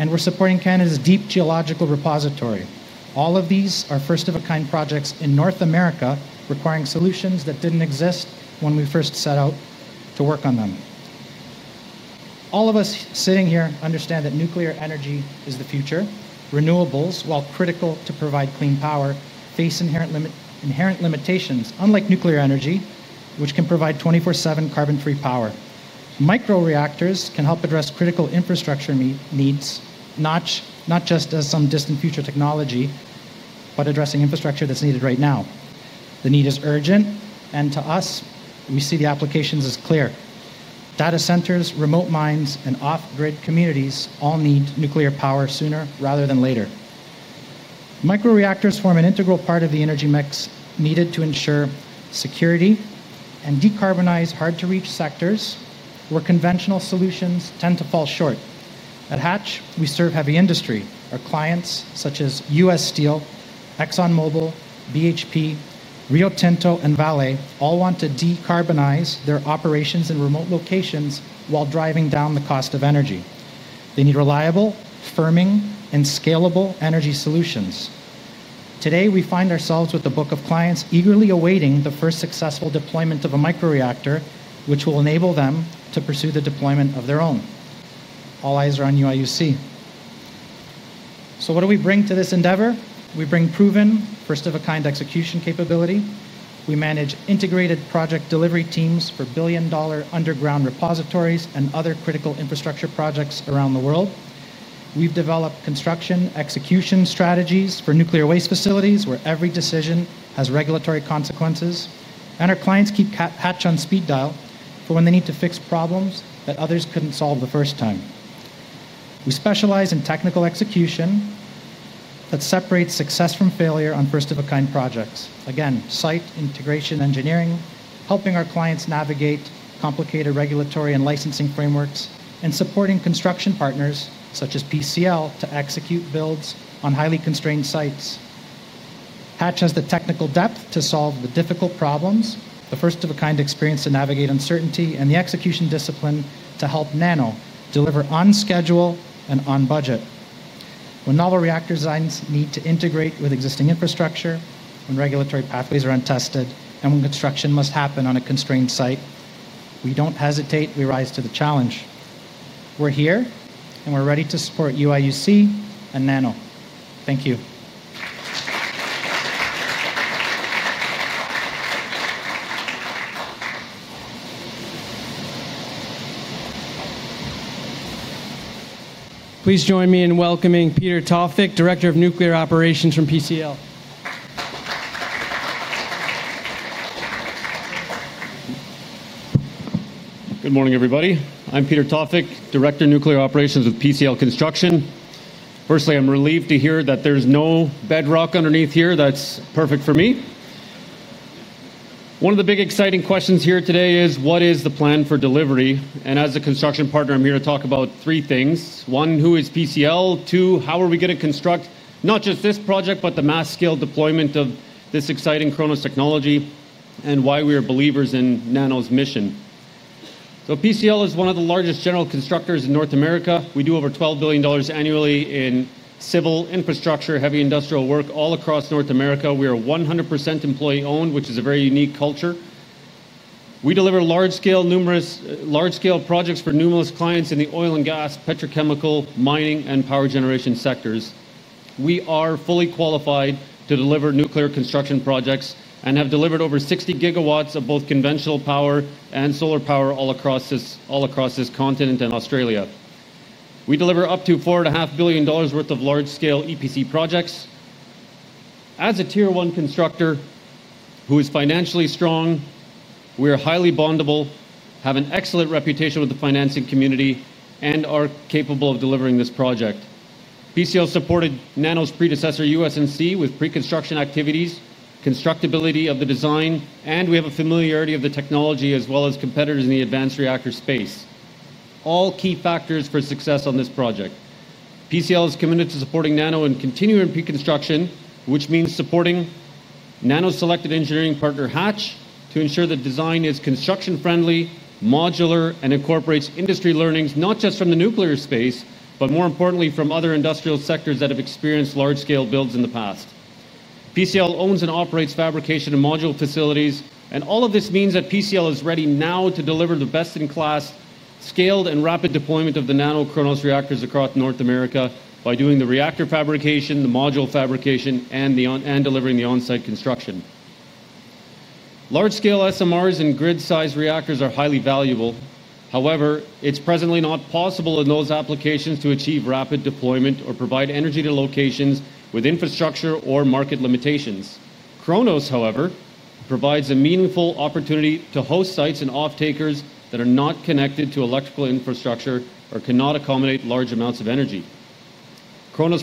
and we're supporting Canada's deep geological repository. All of these are first-of-a-kind projects in North America requiring solutions that didn't exist when we first set out to work on them. All of us sitting here understand that nuclear energy is the future. Renewables, while critical to provide clean power, face inherent limitations, unlike nuclear energy, which can provide 24/7 carbon-free power. Microreactors can help address critical infrastructure needs, not just as some distant future technology, but addressing infrastructure that's needed right now. The need is urgent, and to us, we see the applications as clear. Data centers, remote mines, and off-grid communities all need nuclear power sooner rather than later. Microreactors form an integral part of the energy mix needed to ensure security and decarbonize hard-to-reach sectors where conventional solutions tend to fall short. At Hatch, we serve heavy industry. Our clients, such as U.S. Steel, ExxonMobil, BHP, Rio Tinto, and Vale, all want to decarbonize their operations in remote locations while driving down the cost of energy. They need reliable, firming, and scalable energy solutions. Today, we find ourselves with a book of clients eagerly awaiting the first successful deployment of a microreactor, which will enable them to pursue the deployment of their own. All eyes are on the University of Illinois Urbana-Champaign. What do we bring to this endeavor? We bring proven first-of-a-kind execution capability. We manage integrated project delivery teams for billion-dollar underground repositories and other critical infrastructure projects around the world. We've developed construction execution strategies for nuclear waste facilities where every decision has regulatory consequences, and our clients keep Hatch on speed dial for when they need to fix problems that others couldn't solve the first time. We specialize in technical execution that separates success from failure on first-of-a-kind projects. Again, site integration engineering, helping our clients navigate complicated regulatory and licensing frameworks, and supporting construction partners such as PCL Construction to execute builds on highly constrained sites. Hatch has the technical depth to solve the difficult problems, the first-of-a-kind experience to navigate uncertainty, and the execution discipline to help NANO. deliver on schedule and on budget. When novel reactor designs need to integrate with existing infrastructure, when regulatory pathways are untested, and when construction must happen on a constrained site, we don't hesitate. We rise to the challenge. We're here, and we're ready to support the UIUC and NANO. Thank you. Please join me in welcoming Peter Tawfik, Director of Nuclear Operations from PCL Construction. Good morning, everybody. I'm Peter Tawfik, Director of Nuclear Operations with PCL Construction. Firstly, I'm relieved to hear that there's no bedrock underneath here. That's perfect for me. One of the big exciting questions here today is what is the plan for delivery? As a construction partner, I'm here to talk about three things. One, who is PCL Construction? Two, how are we going to construct not just this project, but the mass-scale deployment of this exciting KRONOS technology and why we are believers in NANO's mission. PCL Construction is one of the largest general constructors in North America. We do over $12 billion annually in civil infrastructure, heavy industrial work all across North America. We are 100% employee-owned, which is a very unique culture. We deliver large-scale projects for numerous clients in the oil and gas, petrochemical, mining, and power generation sectors. We are fully qualified to deliver nuclear construction projects and have delivered over 60 GW of both conventional power and solar power all across this continent and Australia. We deliver up to $4.5 billion worth of large-scale EPC projects. As a tier one constructor who is financially strong, we are highly bondable, have an excellent reputation with the financing community, and are capable of delivering this project. PCL Construction supported NANO's predecessor USNC with pre-construction activities, constructability of the design, and we have a familiarity of the technology as well as competitors in the advanced reactor space, all key factors for success on this project. PCL Construction is committed to supporting NANO and continuing pre-construction, which means supporting NANO's selected engineering partner, Hatch, to ensure the design is construction-friendly, modular, and incorporates industry learnings not just from the nuclear space, but more importantly from other industrial sectors that have experienced large-scale builds in the past. PCL Construction owns and operates fabrication and module facilities, and all of this means that PCL Construction is ready now to deliver the best-in-class scaled and rapid deployment of the NANO KRONOS reactors across North America by doing the reactor fabrication, the module fabrication, and delivering the onsite construction. Large-scale SMRs and grid-sized reactors are highly valuable. However, it's presently not possible in those applications to achieve rapid deployment or provide energy to locations with infrastructure or market limitations. KRONOS, however, provides a meaningful opportunity to host sites and off-takers that are not connected to electrical infrastructure or cannot accommodate large amounts of energy. KRONOS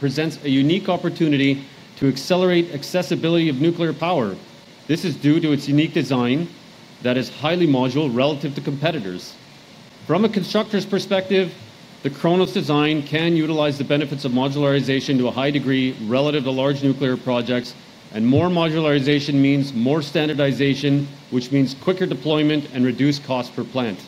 presents a unique opportunity to accelerate accessibility of nuclear power. This is due to its unique design that is highly modular relative to competitors. From a constructor's perspective, the KRONOS design can utilize the benefits of modularization to a high degree relative to large nuclear projects, and more modularization means more standardization, which means quicker deployment and reduced cost per plant.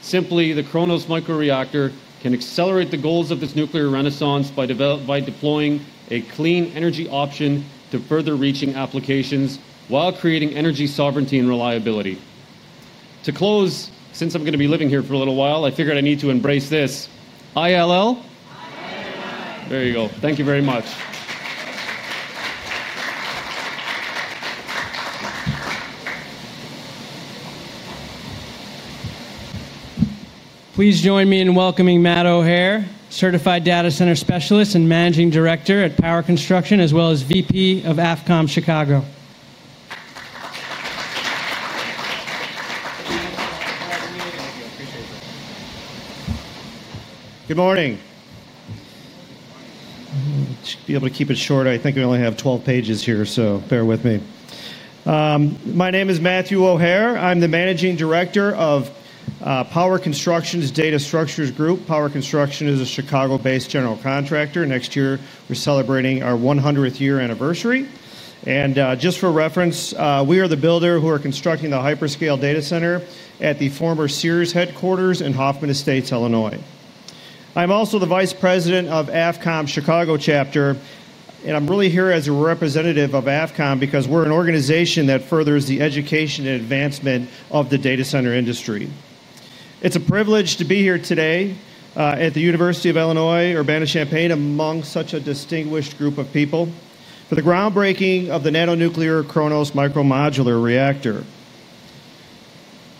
Simply, the KRONOS microreactor can accelerate the goals of this nuclear renaissance by deploying a clean energy option to further reaching applications while creating energy sovereignty and reliability. To close, since I'm going to be living here for a little while, I figured I need to embrace this. I-L-L. I-L-L. There you go. Thank you very much. Please join me in welcoming Matthew O’Hare, Certified Data Center Specialist and Managing Director at Power Construction, as well as VP of AFCOM Chicago. Good morning. I'll be able to keep it short. I think we only have 12 pages here, so bear with me. My name is Matthew O’Hare. I'm the Managing Director of Power Construction's Data Structures Group. Power Construction is a Chicago-based general contractor. Next year, we're celebrating our 100th year anniversary. Just for reference, we are the builder who are constructing the hyperscale data center at the former Sears headquarters in Hoffman Estates, Illinois. I'm also the Vice President of AFCOM Chicago chapter, and I'm really here as a representative of AFCOM because we're an organization that furthers the education and advancement of the data center industry. It's a privilege to be here today at the University of Illinois Urbana-Champaign among such a distinguished group of people for the groundbreaking of the NANO Nuclear KRONOS MMR Energy System.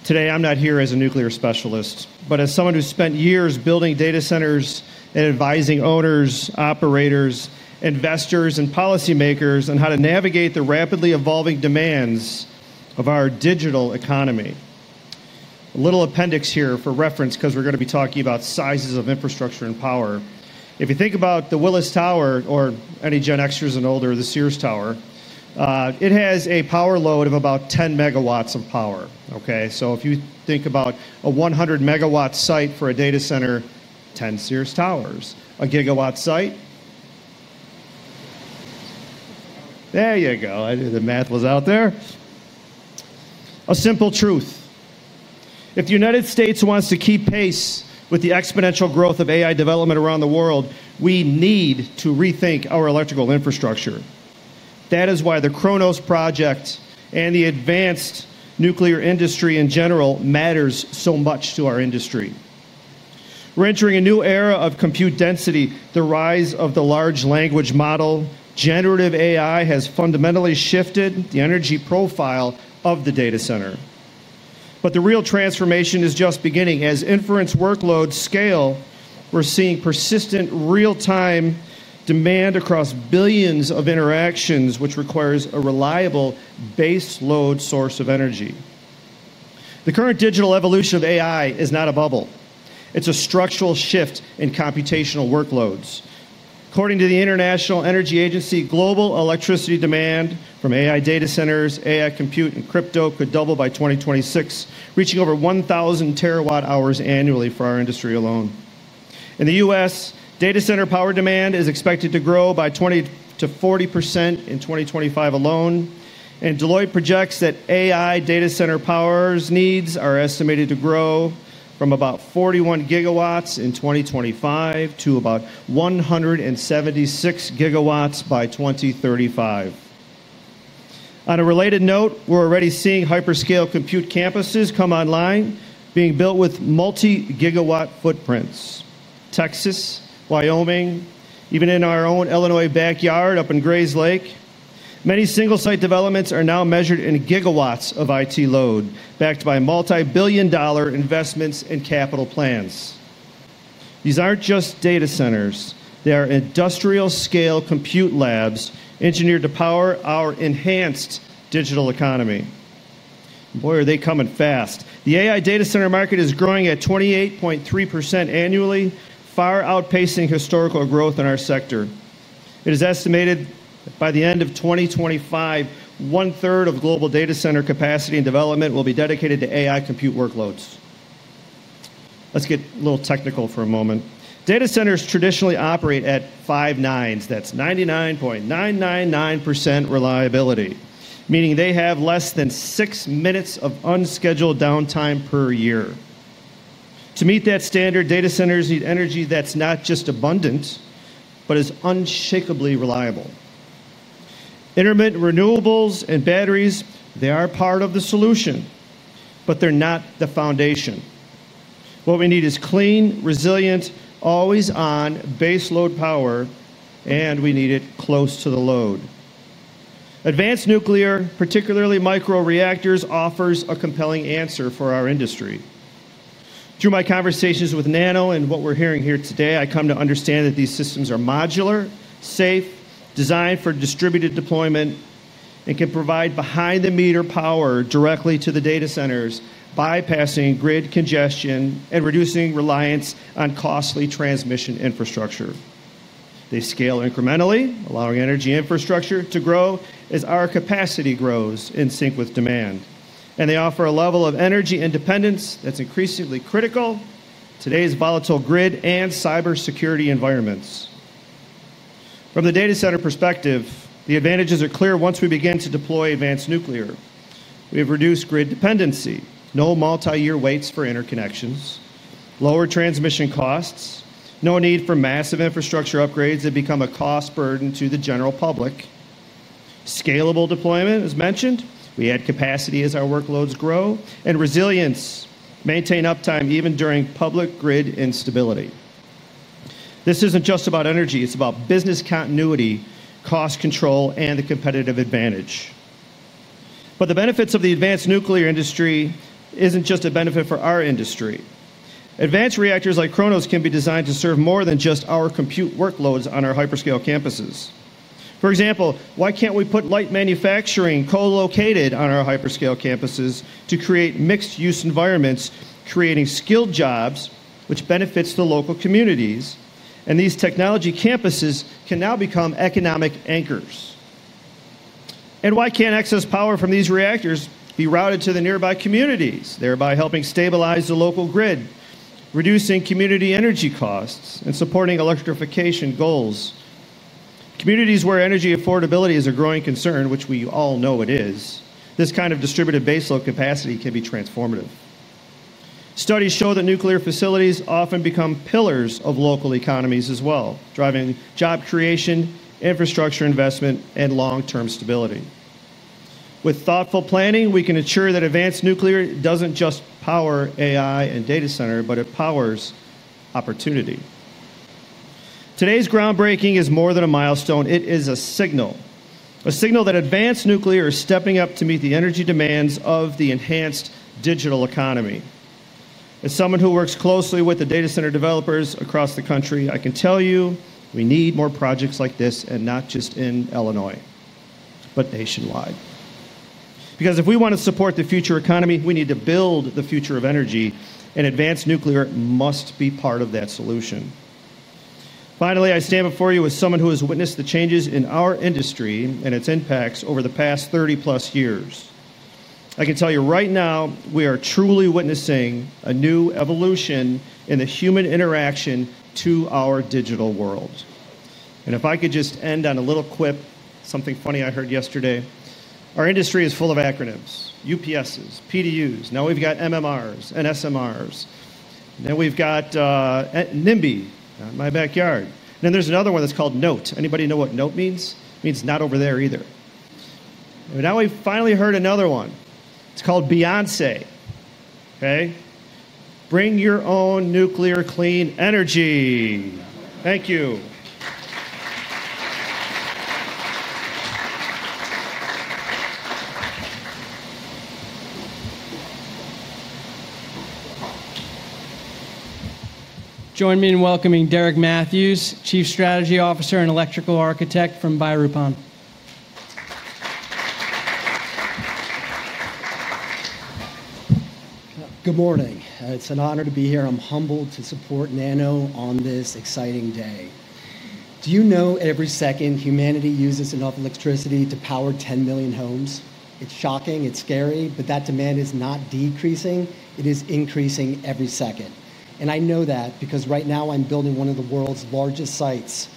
Today, I'm not here as a nuclear specialist, but as someone who spent years building data centers and advising owners, operators, investors, and policymakers on how to navigate the rapidly evolving demands of our digital economy. A little appendix here for reference because we're going to be talking about sizes of infrastructure and power. If you think about the Willis Tower or any Gen Xers and older, the Sears Tower, it has a power load of about 10 MW of power. If you think about a 100 MW site for a data center, 10 Sears Towers, 1 GW site. There you go. The math was out there. A simple truth. If the United States wants to keep pace with the exponential growth of AI development around the world, we need to rethink our electrical infrastructure. That is why the KRONOS project and the advanced nuclear industry in general matter so much to our industry. We're entering a new era of compute density. The rise of the large language model, generative AI has fundamentally shifted the energy profile of the data center. The real transformation is just beginning. As inference workloads scale, we're seeing persistent real-time demand across billions of interactions, which requires a reliable baseload source of energy. The current digital evolution of AI is not a bubble. It's a structural shift in computational workloads. According to the International Energy Agency, global electricity demand from AI data centers, AI compute, and crypto could double by 2026, reaching over 1,000 TW hours annually for our industry alone. In the U.S., data center power demand is expected to grow by 20%-40% in 2025 alone, and Deloitte projects that AI data center power's needs are estimated to grow from about 41 GW in 2025 to about 176 GW by 2035. On a related note, we're already seeing hyperscale compute campuses come online, being built with multi-GW footprints. Texas, Wyoming, even in our own Illinois backyard up in Grays Lake, many single-site developments are now measured in GW of IT load, backed by multi-billion dollar investments and capital plans. These aren't just data centers. They are industrial-scale compute labs engineered to power our enhanced digital economy. Boy, are they coming fast. The AI data center market is growing at 28.3% annually, far outpacing historical growth in our sector. It is estimated that by the end of 2025, 1/3 of global data center capacity and development will be dedicated to AI compute workloads. Let's get a little technical for a moment. Data centers traditionally operate at five nines. That's 99.999% reliability, meaning they have less than six minutes of unscheduled downtime per year. To meet that standard, data centers need energy that's not just abundant, but is unshakably reliable. Intermittent renewables and batteries, they are part of the solution, but they're not the foundation. What we need is clean, resilient, always-on baseload power, and we need it close to the load. Advanced nuclear, particularly microreactors, offers a compelling answer for our industry. Through my conversations with NANO. And what we're hearing here today, I come to understand that these systems are modular, safe, designed for distributed deployment, and can provide behind-the-meter power directly to the data centers, bypassing grid congestion and reducing reliance on costly transmission infrastructure. They scale incrementally, allowing energy infrastructure to grow as our capacity grows in sync with demand, and they offer a level of energy independence that's increasingly critical in today's volatile grid and cybersecurity environments. From the data center perspective, the advantages are clear once we begin to deploy advanced nuclear. We have reduced grid dependency, no multi-year waits for interconnections, lower transmission costs, no need for massive infrastructure upgrades that become a cost burden to the general public. Scalable deployment, as mentioned, we add capacity as our workloads grow, and resilience maintains uptime even during public grid instability. This isn't just about energy. It's about business continuity, cost control, and the competitive advantage. The benefits of the advanced nuclear industry are not just a benefit for our industry. Advanced reactors like KRONOS can be designed to serve more than just our compute workloads on our hyperscale campuses. For example, why can't we put light manufacturing co-located on our hyperscale campuses to create mixed-use environments, creating skilled jobs, which benefit the local communities? These technology campuses can now become economic anchors. Why can't excess power from these reactors be routed to the nearby communities, thereby helping stabilize the local grid, reducing community energy costs, and supporting electrification goals? Communities where energy affordability is a growing concern, which we all know it is, this kind of distributed baseload capacity can be transformative. Studies show that nuclear facilities often become pillars of local economies as well, driving job creation, infrastructure investment, and long-term stability. With thoughtful planning, we can ensure that advanced nuclear doesn't just power AI and data center, but it powers opportunity. Today's groundbreaking is more than a milestone. It is a signal, a signal that advanced nuclear is stepping up to meet the energy demands of the enhanced digital economy. As someone who works closely with the data center developers across the country, I can tell you we need more projects like this and not just in Illinois, but nationwide. If we want to support the future economy, we need to build the future of energy, and advanced nuclear must be part of that solution. Finally, I stand before you as someone who has witnessed the changes in our industry and its impacts over the past 30+ years. I can tell you right now we are truly witnessing a new evolution in the human interaction to our digital world. If I could just end on a little quip, something funny I heard yesterday. Our industry is full of acronyms: UPSs, PDUs. Now we've got MMRs and SMRs. We've got NIMBY in my backyard. There's another one that's called NOTE. Anybody know what NOTE means? It means not over there either. Now we've finally heard another one. It's called BYONCE. Okay, Bring-Your-Own-Nuclear-Clean-Energy. Thank you. Join me in welcoming Derek Matthews, Chief Strategy Officer and Electrical Architect from BaRupOn. Good morning. It's an honor to be here. I'm humbled to support NANO on this exciting day. Do you know every second humanity uses enough electricity to power 10 million homes? It's shocking. It's scary. That demand is not decreasing. It is increasing every second. I know that because right now I'm building one of the world's largest sites.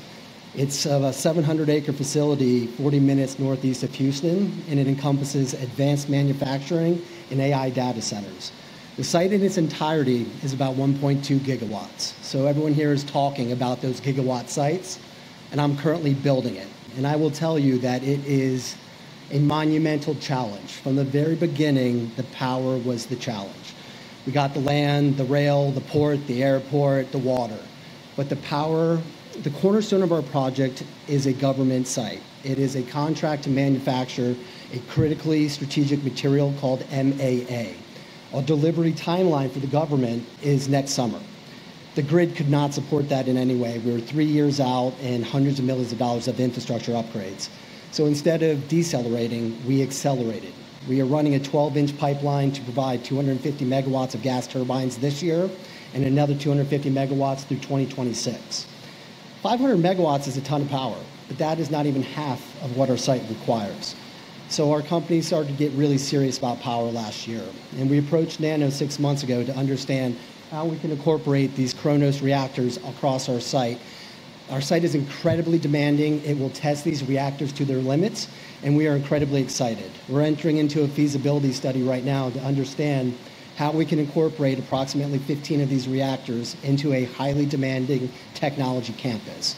It's a 700-acre facility, 40 minutes northeast of Houston, and it encompasses advanced manufacturing and AI data centers. The site in its entirety is about 1.2 GW. Everyone here is talking about those GW sites, and I'm currently building it. I will tell you that it is a monumental challenge. From the very beginning, the power was the challenge. We got the land, the rail, the port, the airport, the water. The power, the cornerstone of our project, is a government site. It is a contract to manufacture a critically strategic material called MAA. A delivery timeline for the government is next summer. The grid could not support that in any way. We were three years out and hundreds of millions of dollars of infrastructure upgrades. Instead of decelerating, we accelerated. We are running a 12-inch pipeline to provide 250 MW of gas turbines this year and another 250 MW through 2026. 500 MW is a ton of power, but that is not even half of what our site requires. Our company started to get really serious about power last year, and we approached NANO six months ago to understand how we can incorporate these KRONOS reactors across our site. Our site is incredibly demanding. It will test these reactors to their limits, and we are incredibly excited. We're entering into a feasibility study right now to understand how we can incorporate approximately 15 of these reactors into a highly demanding technology campus.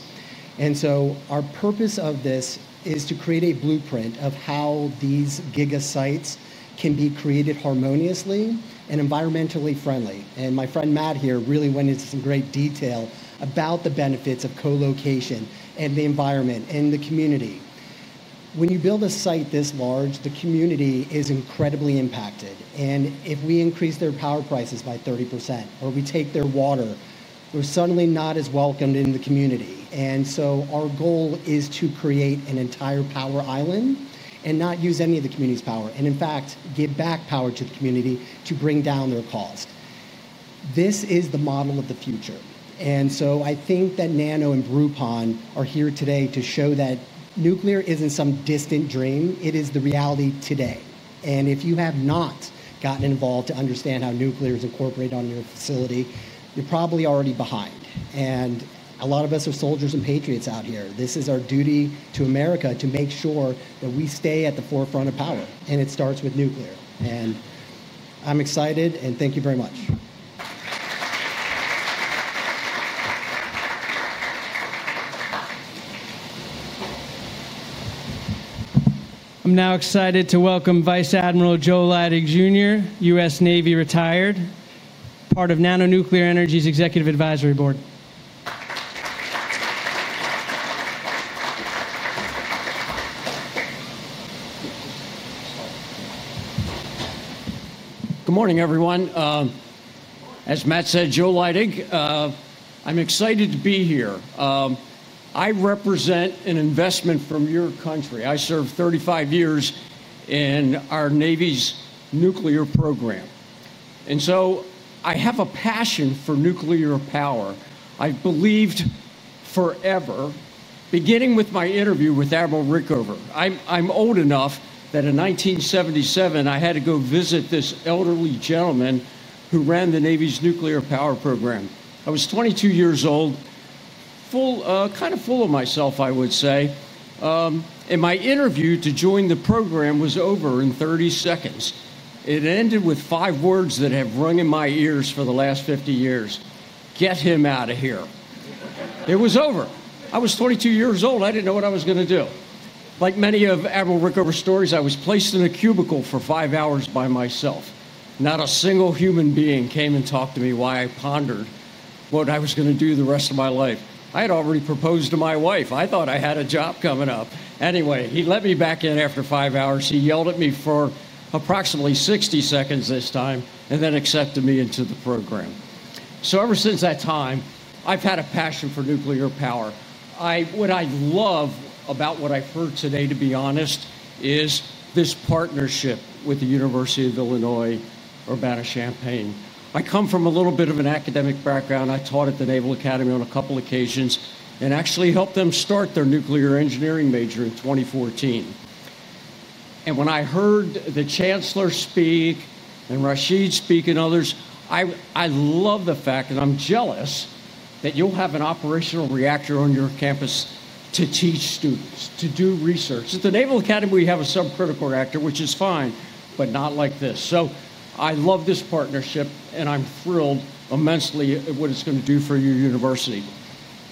Our purpose of this is to create a blueprint of how these gigasites can be created harmoniously and environmentally friendly. My friend Matt is, really Went into some great detail about the benefits of co-location and the environment and the community. When you build a site this large, the community is incredibly impacted. If we increase their power prices by 30% or we take their water, we're suddenly not as welcomed in the community. Our goal is to create an entire power island and not use any of the community's power. In fact, give back power to the community to bring down their cost. This is the model of the future. I think that NANO and BaRupOn are here today to show that nuclear isn't some distant dream. It is the reality today. If you have not gotten involved to understand how nuclear is incorporated on your facility, you're probably already behind. A lot of us are soldiers and patriots out here. This is our duty to America to make sure that we stay at the forefront of power. It starts with nuclear. I'm excited. Thank you very much. I'm now excited to welcome Vice Admiral Joe Leidig, Jr. U.S. Navy retired, part of NANO Nuclear Energy Inc.'s Executive Advisory Board. Good morning, everyone. As Matt said, Joe Leidig. I'm excited to be here. I represent an investment from your country. I served 35 years in our Navy's nuclear program, and I have a passion for nuclear power. I've believed forever, beginning with my interview with Admiral Rickover. I'm old enough that in 1977, I had to go visit this elderly gentleman who ran the Navy's nuclear power program. I was 22 years old, kind of full of myself, I would say. My interview to join the program was over in 30 seconds. It ended with five words that have rung in my ears for the last 50 years: get him out of here. It was over. I was 22 years old. I didn't know what I was going to do. Like many of Admiral Rickover's stories, I was placed in a cubicle for five hours by myself. Not a single human being came and talked to me while I pondered what I was going to do the rest of my life. I had already proposed to my wife. I thought I had a job coming up. He let me back in after five hours. He yelled at me for approximately 60 seconds this time and then accepted me into the program. Ever since that time, I've had a passion for nuclear power. What I love about what I've heard today, to be honest, is this partnership with the University of Illinois Urbana-Champaign. I come from a little bit of an academic background. I taught at the Naval Academy on a couple of occasions and actually helped them start their nuclear engineering major in 2014. When I heard the Chancellor speak and Rashid speak and others, I love the fact that I'm jealous that you'll have an operational reactor on your campus to teach students, to do research. At the Naval Academy, we have a subcritical reactor, which is fine, but not like this. I love this partnership. I'm thrilled immensely at what it's going to do for your university.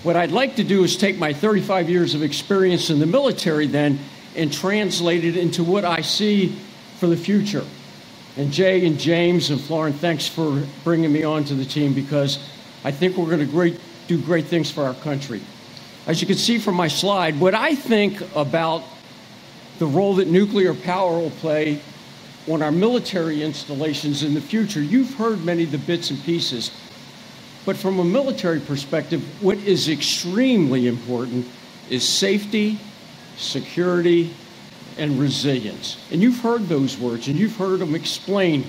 What I'd like to do is take my 35 years of experience in the military then and translate it into what I see for the future. Jay and James and Florent, thanks for bringing me onto the team because I think we're going to do great things for our country. As you can see from my slide, what I think about the role that nuclear power will play on our military installations in the future, you've heard many of the bits and pieces. From a military perspective, what is extremely important is safety, security, and resilience. You've heard those words. You've heard them explained.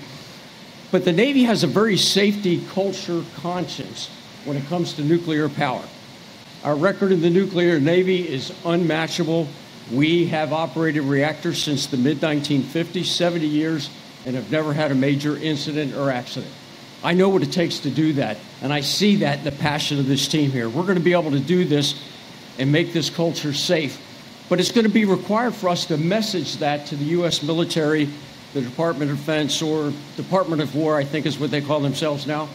The Navy has a very safety culture conscience when it comes to nuclear power. Our record in the nuclear Navy is unmatchable. We have operated reactors since the mid-1950s, 70 years, and have never had a major incident or accident. I know what it takes to do that. I see that in the passion of this team here. We're going to be able to do this and make this culture safe. It's going to be required for us to message that to the U.S. military, the Department of Defense, or Department of War, I think is what they call themselves now.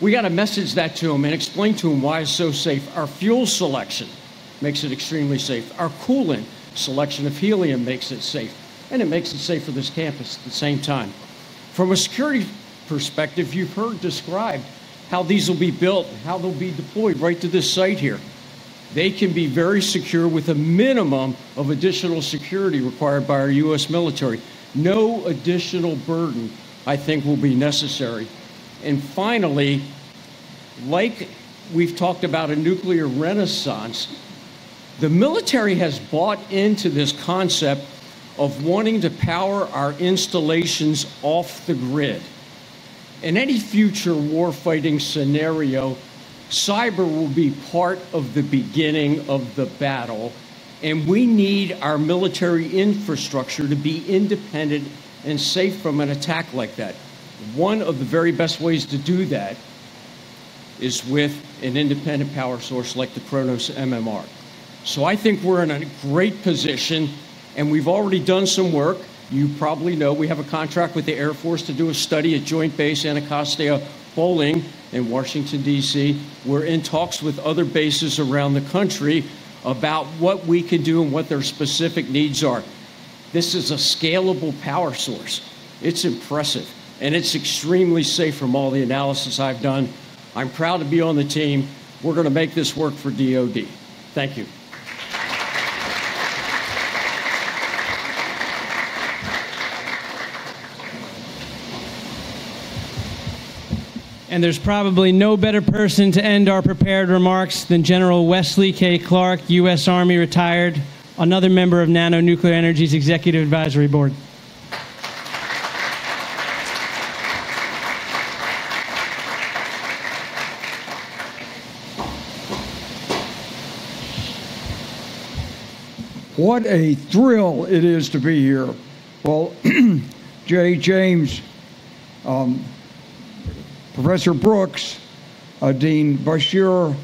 We got to message that to them and explain to them why it's so safe. Our fuel selection makes it extremely safe. Our coolant selection of helium makes it safe, and it makes it safe for this campus at the same time. From a security perspective, you've heard described how these will be built, how they'll be deployed right to this site here. They can be very secure with a minimum of additional security required by our U.S. military. No additional burden, I think, will be necessary. Finally, like we've talked about a nuclear renaissance, the military has bought into this concept of wanting to power our installations off the grid. In any future war-fighting scenario, cyber will be part of the beginning of the battle. We need our military infrastructure to be independent and safe from an attack like that. One of the very best ways to do that is with an independent power source like the KRONOS MMR. I think we're in a great position. We've already done some work. You probably know we have a contract with the Air Force to do a study at Joint Base Anacostia-Bolling in Washington, D.C. We're in talks with other bases around the country about what we can do and what their specific needs are. This is a scalable power source. It's impressive, and it's extremely safe from all the analysis I've done. I'm proud to be on the team. We're going to make this work for DOD. Thank you. There is probably no better person to end our prepared remarks than General Wesley K. Clark, U.S. Army retired, another member of NANO Nuclear Energy Inc.'s Executive Advisory Board. What a thrill it is to be here. Jay, James, Professor Brooks, Dean Bashir,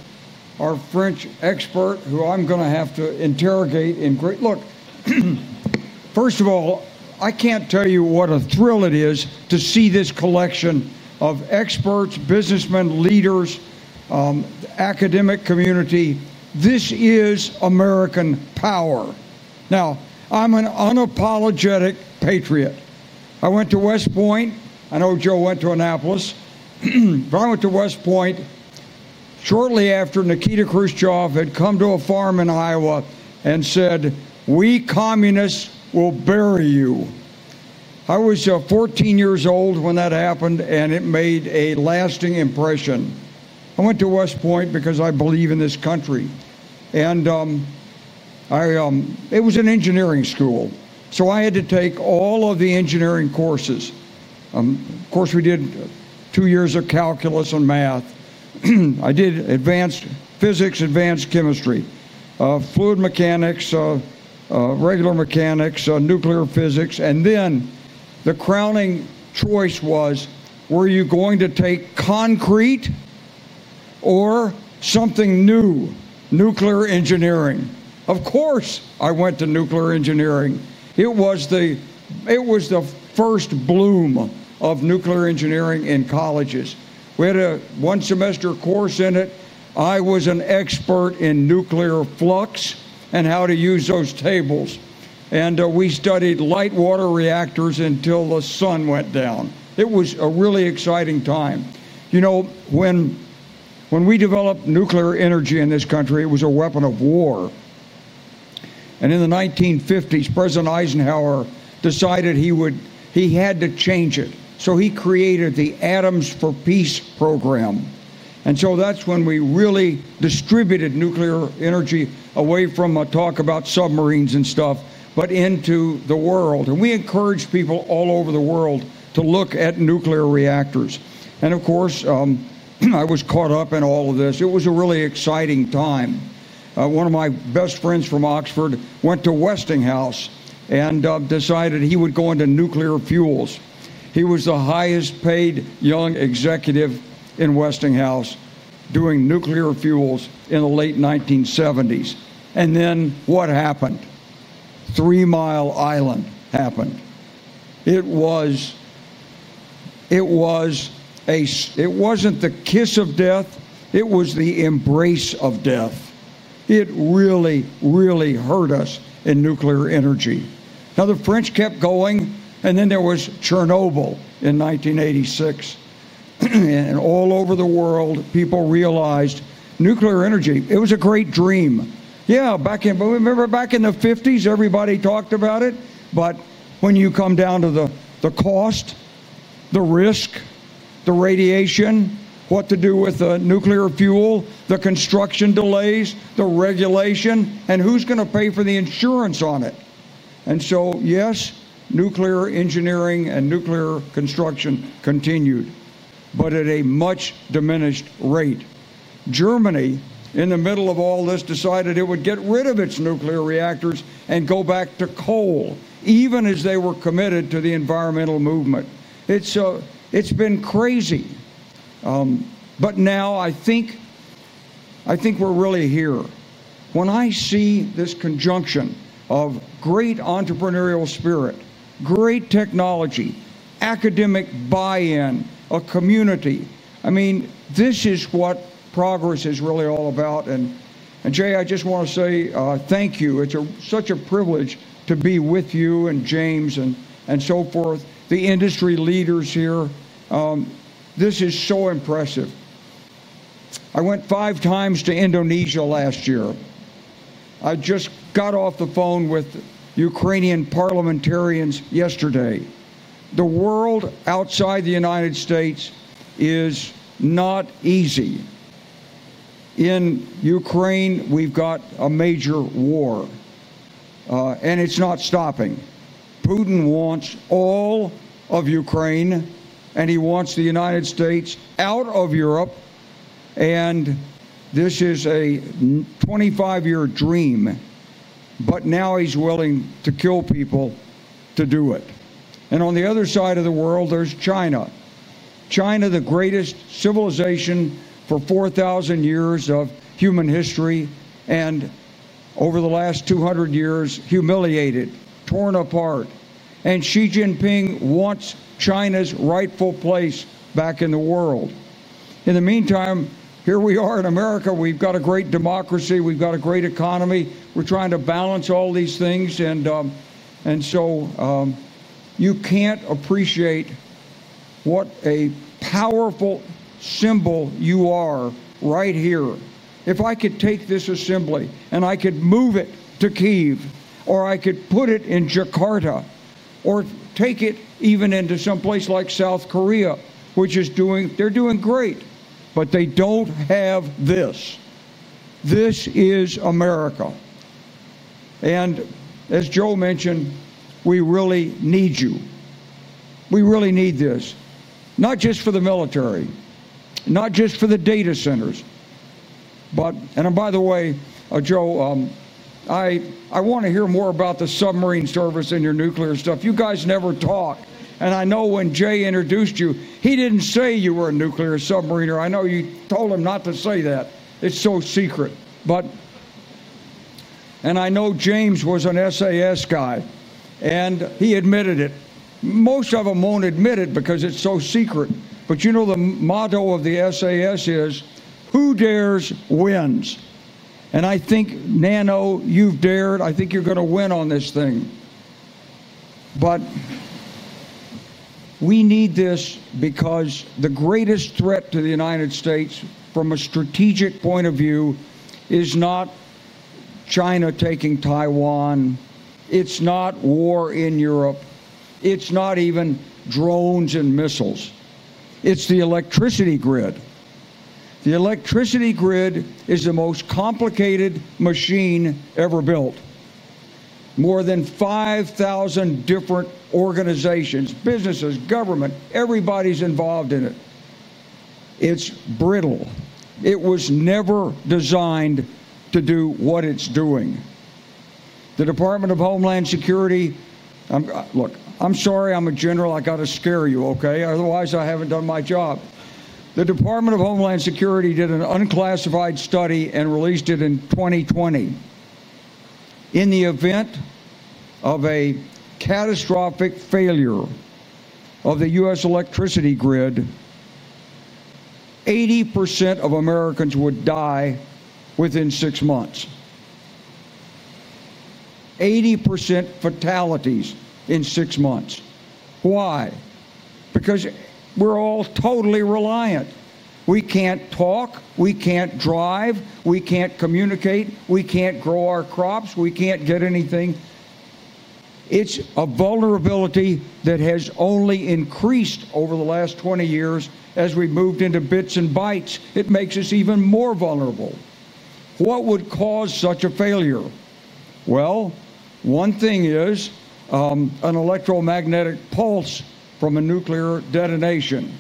our French expert, who I'm going to have to interrogate in great look. First of all, I can't tell you what a thrill it is to see this collection of experts, businessmen, leaders, the academic community. This is American power. I'm an unapologetic patriot. I went to West Point. I know Joe went to Annapolis. I went to West Point shortly after Nikita Khrushchev had come to a farm in Iowa and said, "We communists will bury you." I was 14 years old when that happened. It made a lasting impression. I went to West Point because I believe in this country. It was an engineering school. I had to take all of the engineering courses. Of course, we did two years of calculus and math. I did advanced physics, advanced chemistry, fluid mechanics, regular mechanics, nuclear physics. The crowning choice was, were you going to take concrete or something new, nuclear engineering? Of course, I went to nuclear engineering. It was the first bloom of nuclear engineering in colleges. We had a one-semester course in it. I was an expert in nuclear flux and how to use those tables. We studied light water reactors until the sun went down. It was a really exciting time. You know, when we developed nuclear energy in this country, it was a weapon of war. In the 1950s, President Eisenhower decided he had to change it. He created the Atoms for Peace Program. That's when we really distributed nuclear energy away from a talk about submarines and stuff, but into the world. We encouraged people all over the world to look at nuclear reactors. I was caught up in all of this. It was a really exciting time. One of my best friends from Oxford went to Westinghouse and decided he would go into nuclear fuels. He was the highest-paid young executive in Westinghouse doing nuclear fuels in the late 1970s. What happened? Three Mile Island happened. It wasn't the kiss of death. It was the embrace of death. It really, really hurt us in nuclear energy. The French kept going. There was Chernobyl in 1986. All over the world, people realized nuclear energy, it was a great dream. Yeah, back in, but remember back in the 1950s, everybody talked about it. When you come down to the cost, the risk, the radiation, what to do with the nuclear fuel, the construction delays, the regulation, and who's going to pay for the insurance on it? Yes, nuclear engineering and nuclear construction continued, but at a much diminished rate. Germany, in the middle of all this, decided it would get rid of its nuclear reactors and go back to coal, even as they were committed to the environmental movement. It's been crazy. Now, I think we're really here. When I see this conjunction of great entrepreneurial spirit, great technology, academic buy-in, a community, this is what progress is really all about. Jay, I just want to say thank you. It's such a privilege to be with you and James and so forth, the industry leaders here. This is so impressive. I went five times to Indonesia last year. I just got off the phone with Ukrainian parliamentarians yesterday. The world outside the U.S. is not easy. In Ukraine, we've got a major war. It's not stopping. Putin wants all of Ukraine. He wants the U.S. out of Europe. This is a 25-year dream. Now he's willing to kill people to do it. On the other side of the world, there's China. China, the greatest civilization for 4,000 years of human history, and over the last 200 years, humiliated, torn apart. Xi Jinping wants China's rightful place back in the world. In the meantime, here we are in America. We've got a great democracy. We've got a great economy. We're trying to balance all these things. You can't appreciate what a powerful symbol you are right here. If I could take this assembly and move it to Kyiv, or I can put it in Jakarta, or take it even into someplace like South Korea, which is doing great, they don't have this. This is America. As Joe mentioned, we really need you. We really need this, not just for the military, not just for the data centers. By the way, Joe, I want to hear more about the submarine service and your nuclear stuff. You guys never talk. I know when Jay introduced you, he didn't say you were a nuclear submariner. I know you told him not to say that. It's so secret. I know James was an SAS guy. He admitted it. Most of them won't admit it because it's so secret. The motto of the SAS is, who dares, wins. I think, NANO, you've dared. I think you're going to win on this thing. We need this because the greatest threat to the U.S., from a strategic point of view, is not China taking Taiwan. It's not war in Europe. It's not even drones and missiles. It's the electricity grid. The electricity grid is the most complicated machine ever built. More than 5,000 different organizations, businesses, government, everybody's involved in it. It's brittle. It was never designed to do what it's doing. The Department of Homeland Security, look, I'm sorry, I'm a General. I got to scare you, OK? Otherwise, I haven't done my job. The Department of Homeland Security did an unclassified study and released it in 2020. In the event of a catastrophic failure of the U.S. electricity grid, 80% of Americans would die within six months. 80% fatalities in six months. Why? Because we're all totally reliant. We can't talk. We can't drive. We can't communicate. We can't grow our crops. We can't get anything. It's a vulnerability that has only increased over the last 20 years as we moved into bits and bytes. It makes us even more vulnerable. What would cause such a failure? One thing is an electromagnetic pulse from a nuclear detonation.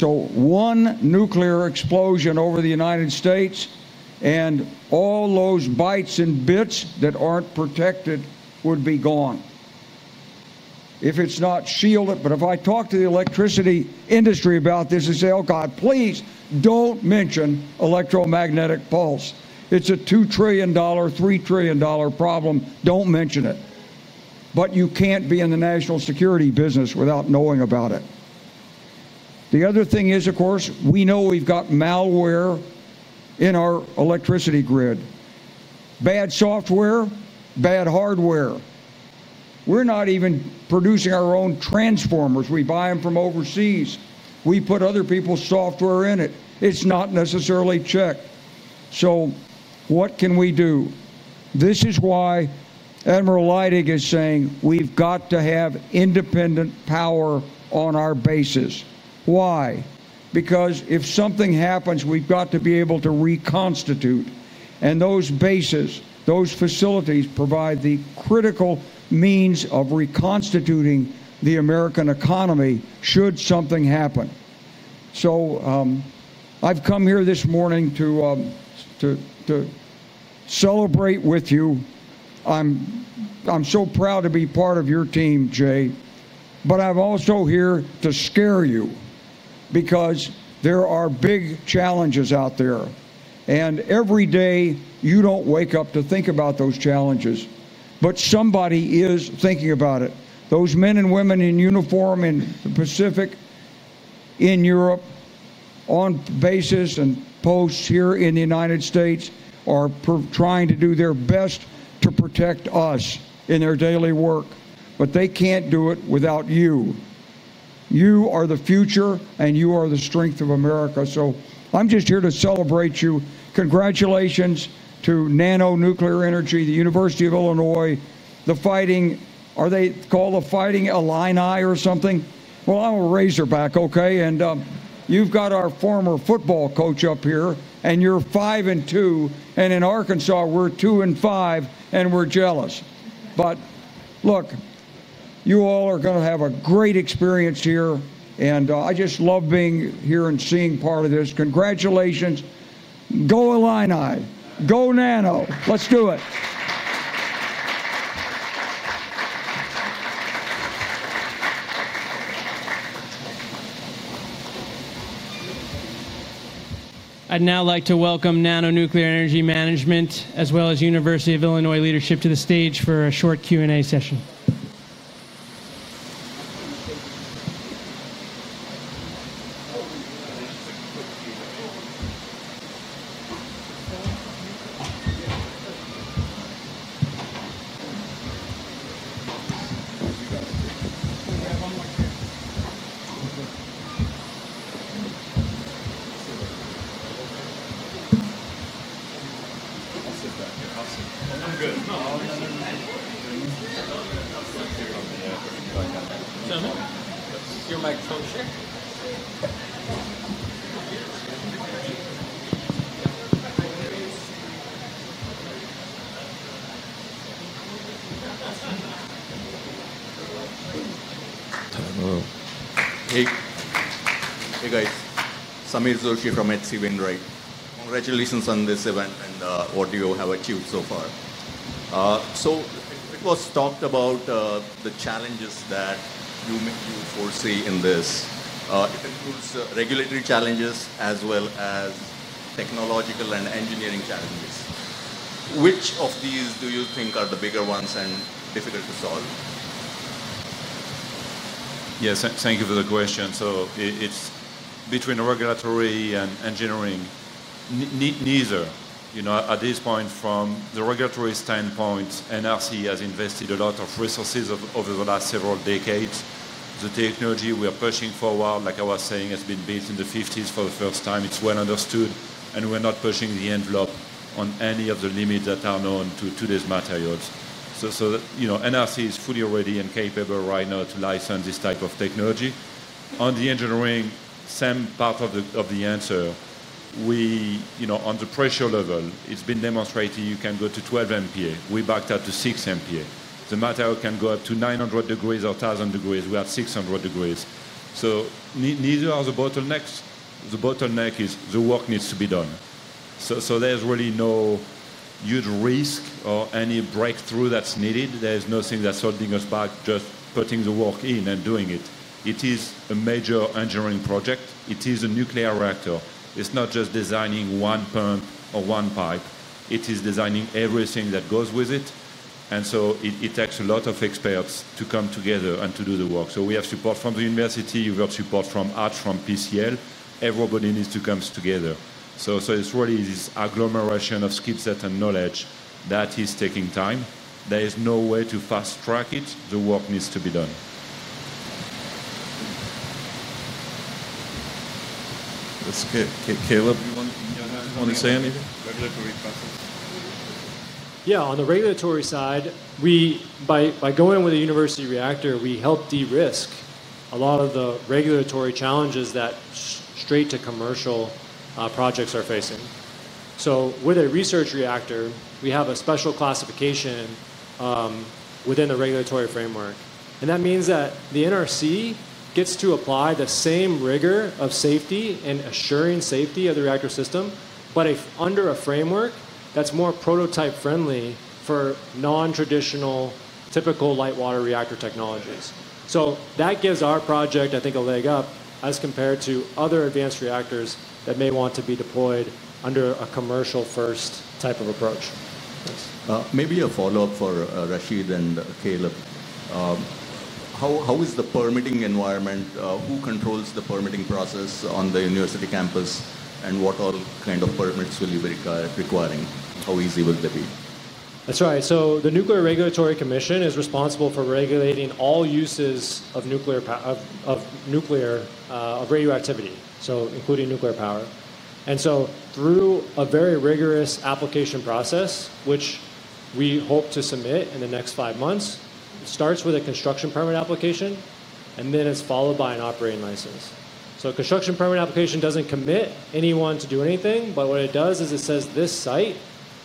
One nuclear explosion over the United States, and all those bytes and bits that aren't protected would be gone if it's not shielded. If I talk to the electricity industry about this, they say, oh, God, please don't mention electromagnetic pulse. It's a $2 trillion, $3 trillion problem. Don't mention it. You can't be in the national security business without knowing about it. The other thing is, of course, we know we've got malware in our electricity grid. Bad software, bad hardware. We're not even producing our own transformers. We buy them from overseas. We put other people's software in it. It's not necessarily checked. What can we do? This is why Admiral Leidig is saying we've got to have independent power on our bases. Why? If something happens, we've got to be able to reconstitute. Those bases, those facilities provide the critical means of reconstituting the American economy should something happen. I've come here this morning to celebrate with you. I'm so proud to be part of your team, Jay. I'm also here to scare you because there are big challenges out there. Every day, you don't wake up to think about those challenges. Somebody is thinking about it. Those men and women in uniform in the Pacific, in Europe, on bases and posts here in the United States are trying to do their best to protect us in their daily work. They can't do it without you. You are the future. You are the strength of America. I'm just here to celebrate you. Congratulations to NANO Nuclear Energy, the University of Illinois, the Fighting Illini or something? I'm a Razorback, OK? You've got our former football coach up here. You're 5 and 2. In Arkansas, we're 2 and 5. We're jealous. You all are going to have a great experience here. I just love being here and seeing part of this. Congratulations. Go Illini. Go NANO. Let's do it. I'd now like to welcome NANO Nuclear Energy Management, as well as the University of Illinois leadership, to the stage for a short Q&A session. Hey, guys. Sameer Joshi from H.C. Wainwright, right? Congratulations on this event and what you have achieved so far. It was talked about, the challenges that you foresee in this. It includes regulatory challenges as well as technological and engineering challenges. Which of these do you think are the bigger ones and difficult to solve? Yes, thank you for the question. It's between regulatory and engineering. Neither. At this point, from the regulatory standpoint, the U.S. Nuclear Regulatory Commission has invested a lot of resources over the last several decades. The technology we are pushing forward, like I was saying, has been built in the 1950s for the first time. It's well understood. We're not pushing the envelope on any of the limits that are known to today's materials. The U.S. Nuclear Regulatory Commission is fully ready and capable right now to license this type of technology. On the engineering, same part of the answer. On the pressure level, it's been demonstrated you can go to 12 MPa. We backed up to 6 MPa. The material can go up to 900 degrees or 1,000 degrees. We're at 600 degrees. Neither are the bottlenecks. The bottleneck is the work needs to be done. There's really no huge risk or any breakthrough that's needed. There's nothing that's holding us back, just putting the work in and doing it. It is a major engineering project. It is a nuclear reactor. It's not just designing one pump or one pipe. It is designing everything that goes with it. It takes a lot of experts to come together and to do the work. We have support from the university. We have support from us, from PCL Construction. Everybody needs to come together. It's really this agglomeration of skill set and knowledge that is taking time. There is no way to fast-track it. The work needs to be done. Let's get Caleb. You want to say anything? Yeah, on the regulatory side, by going with a university reactor, we help de-risk a lot of the regulatory challenges that straight-to-commercial projects are facing. With a research reactor, we have a special classification within the regulatory framework. That means that the U.S. Nuclear Regulatory Commission gets to apply the same rigor of safety and assuring safety of the reactor system, but under a framework that's more prototype-friendly for non-traditional, typical light water reactor technologies. That gives our project, I think, a leg up as compared to other advanced reactors that may want to be deployed under a commercial-first type of approach. Maybe a follow-up for Rashid and Caleb. How is the permitting environment? Who controls the permitting process on the university campus? What all kind of permits will you be requiring? How easy will they be? That's right. The U.S. Nuclear Regulatory Commission is responsible for regulating all uses of radioactivity, including nuclear power. Through a very rigorous application process, which we hope to submit in the next five months, it starts with a construction permit application, followed by an operating license. A construction permit application doesn't commit anyone to do anything, but what it does is it says this site,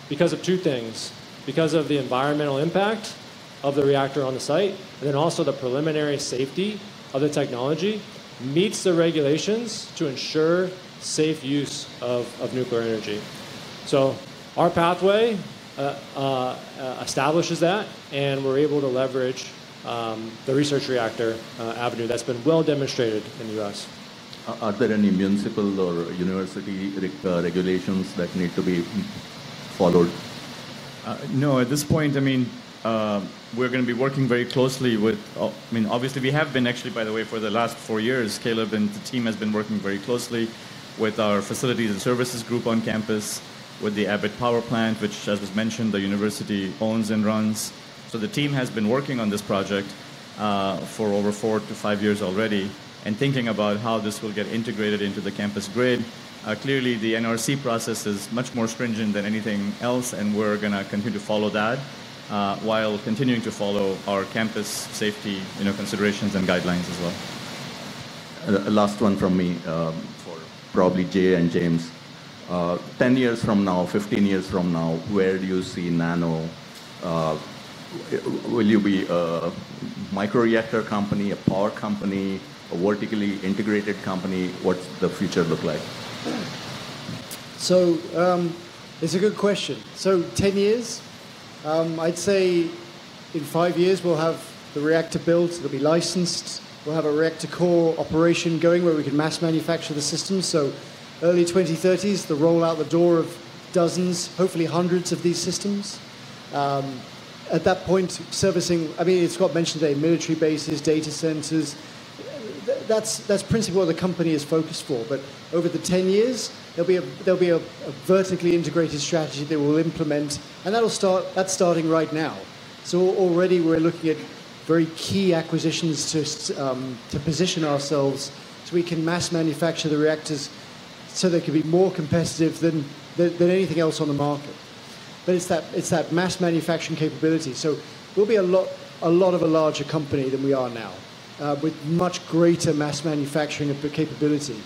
because of two things, because of the environmental impact of the reactor on the site and also the preliminary safety of the technology, meets the regulations to ensure safe use of nuclear energy. Our pathway establishes that, and we're able to leverage the research reactor avenue that's been well demonstrated in the U.S. Are there any municipal or university regulations that need to be followed? No, at this point, I mean, we're going to be working very closely with, I mean, obviously, we have been, actually, by the way, for the last four years, Caleb and the team have been working very closely with our Facilities and Services group on campus, with the Abbott Power Plant, which, as was mentioned, the university owns and runs. The team has been working on this project for over four to five years already, and thinking about how this will get integrated into the campus grid. Clearly, the U.S. Nuclear Regulatory Commission process is much more stringent than anything else. We're going to continue to follow that while continuing to follow our campus safety considerations and guidelines as well. Last one from me, probably Jay and James. 10 years from now, 15 years from now, where do you see NANO? Will you be a microreactor company, a power company, a vertically integrated company? What's the future look like? It's a good question. 10 years, I'd say in five years, we'll have the reactor built. It'll be licensed. We'll have a reactor core operation going where we can mass manufacture the systems. Early 2030s, the rollout, the door of dozens, hopefully hundreds of these systems. At that point, servicing, I mean, it got mentioned today, military bases, data centers. That's principally what the company is focused for. Over the 10 years, there'll be a vertically integrated strategy that we'll implement. That's starting right now. Already, we're looking at very key acquisitions to position ourselves so we can mass manufacture the reactors so they can be more competitive than anything else on the market. It's that mass manufacturing capability. We'll be a lot of a larger company than we are now, with much greater mass manufacturing capability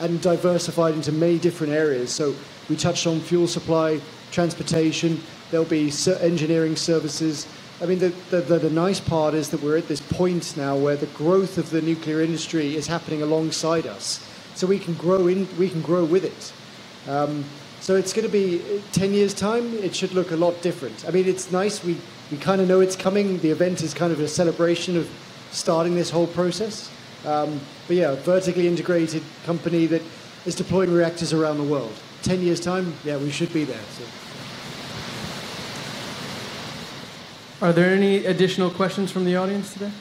and diversified into many different areas. We touched on fuel supply, transportation. There'll be engineering services. The nice part is that we're at this point now where the growth of the nuclear industry is happening alongside us. We can grow with it. In 10 years' time, it should look a lot different. It's nice. We kind of know it's coming. The event is kind of a celebration of starting this whole process. A vertically integrated company that is deploying reactors around the world. In 10 years' time, we should be there. Are there any additional questions from the audience today?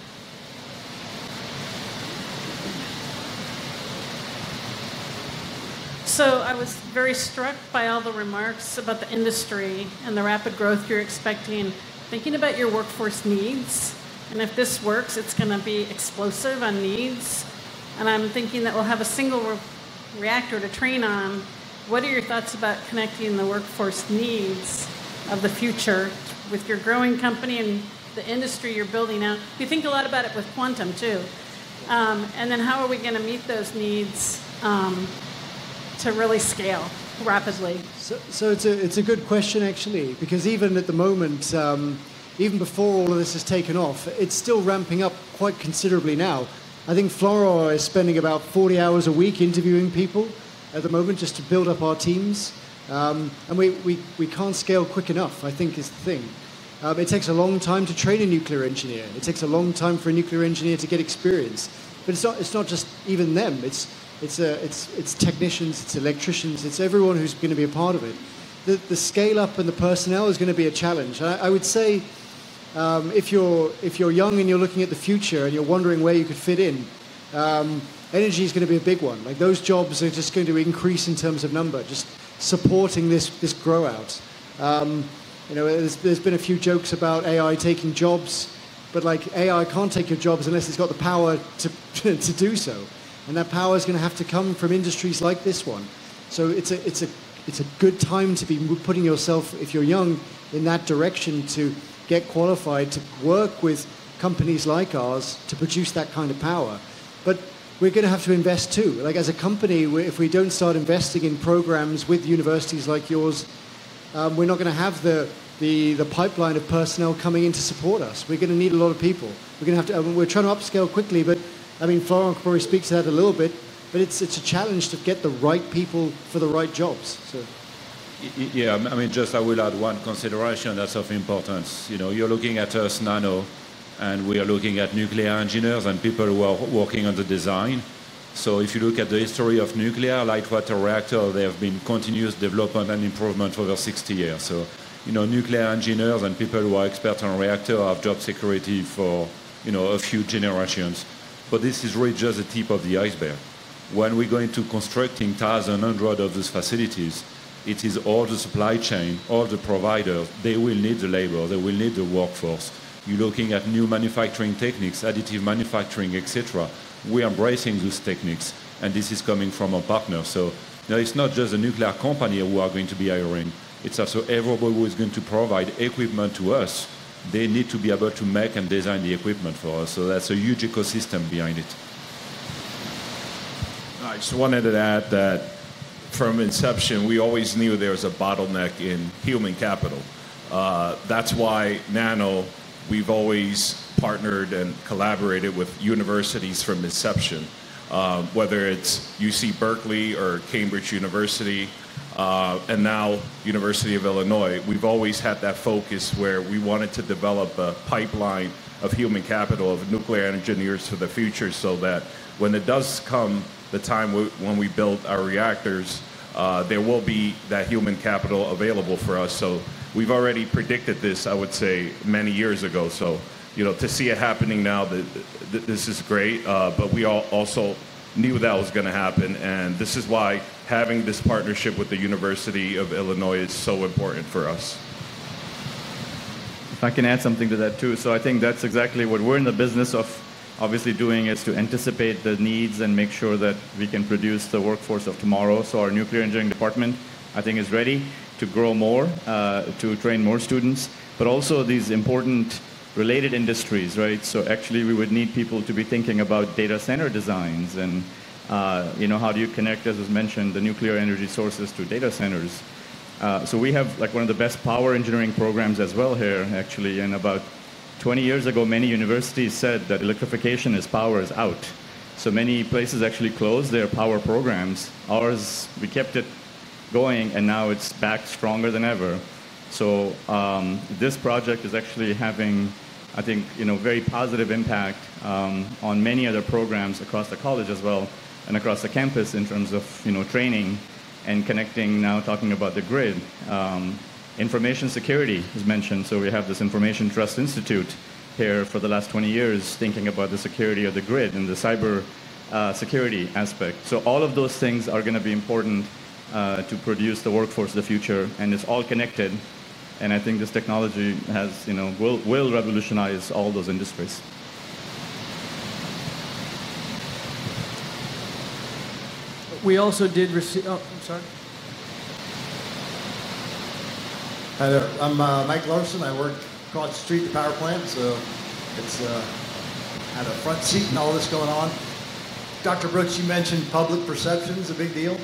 I was very struck by all the remarks about the industry and the rapid growth you're expecting, thinking about your workforce needs. If this works, it's going to be explosive on needs. I'm thinking that we'll have a single reactor to train on. What are your thoughts about connecting the workforce needs of the future with your growing company and the industry you're building out? You think a lot about it with quantum, too. How are we going to meet those needs to really scale rapidly? It's a good question, actually, because even at the moment, even before all of this has taken off, it's still ramping up quite considerably now. I think Florent is spending about 40 hours a week interviewing people at the moment just to build up our teams. We can't scale quick enough, I think, is the thing. It takes a long time to train a nuclear engineer. It takes a long time for a nuclear engineer to get experience. It's not just even them. It's technicians. It's electricians. It's everyone who's going to be a part of it. The scale-up and the personnel is going to be a challenge. I would say if you're young and you're looking at the future and you're wondering where you could fit in, energy is going to be a big one. Those jobs are just going to increase in terms of number, just supporting this grow-out. There have been a few jokes about AI taking jobs. AI can't take your jobs unless it's got the power to do so. That power is going to have to come from industries like this one. It's a good time to be putting yourself, if you're young, in that direction to get qualified to work with companies like ours to produce that kind of power. We're going to have to invest, too. As a company, if we don't start investing in programs with universities like yours, we're not going to have the pipeline of personnel coming in to support us. We're going to need a lot of people. We're trying to upscale quickly. Florent already speaks to that a little bit. It's a challenge to get the right people for the right jobs. Yeah, I mean, I will add one consideration that's of importance. You're looking at us, NANO, and we are looking at nuclear engineers and people who are working on the design. If you look at the history of nuclear light water reactor, there have been continuous development and improvement for over 60 years. Nuclear engineers and people who are experts on reactors have job security for a few generations. This is really just the tip of the iceberg. When we're going to construct thousands and hundreds of these facilities, it is all the supply chain, all the providers. They will need the labor. They will need the workforce. You're looking at new manufacturing techniques, additive manufacturing, et cetera. We're embracing those techniques. This is coming from a partner. It's not just a nuclear company we are going to be hiring. It's also everybody who is going to provide equipment to us. They need to be able to make and design the equipment for us. That's a huge ecosystem behind it. I just wanted to add that from inception, we always knew there was a bottleneck in human capital. That's why NANO, we've always partnered and collaborated with universities from inception, whether it's UC Berkeley or Cambridge University and now University of Illinois. We've always had that focus where we wanted to develop a pipeline of human capital, of nuclear engineers for the future so that when it does come the time when we build our reactors, there will be that human capital available for us. We've already predicted this, I would say, many years ago. To see it happening now, this is great. We also knew that was going to happen. This is why having this partnership with the University of Illinois is so important for us. If I can add something to that, too. I think that's exactly what we're in the business of obviously doing, to anticipate the needs and make sure that we can produce the workforce of tomorrow. Our nuclear engineering department, I think, is ready to grow more, to train more students, but also these important related industries, right? We would need people to be thinking about data center designs. How do you connect, as was mentioned, the nuclear energy sources to data centers? We have one of the best power engineering programs as well here, actually. About 20 years ago, many universities said that electrification is power is out. Many places actually closed their power programs. Ours, we kept it going, and now it's back stronger than ever. This project is actually having, I think, a very positive impact on many other programs across the college as well and across the campus in terms of training and connecting, now talking about the grid. Information security is mentioned. We have this Information Trust Institute here for the last 20 years thinking about the security of the grid and the cybersecurity aspect. All of those things are going to be important to produce the workforce of the future. It's all connected. I think this technology will revolutionize all those industries. We also did receive, oh, I'm sorry. Hi there. I'm Mike Larson. I work across the street at the power plant. I had a front seat in all this going on. Dr. Brooks, you mentioned public perception is a big deal,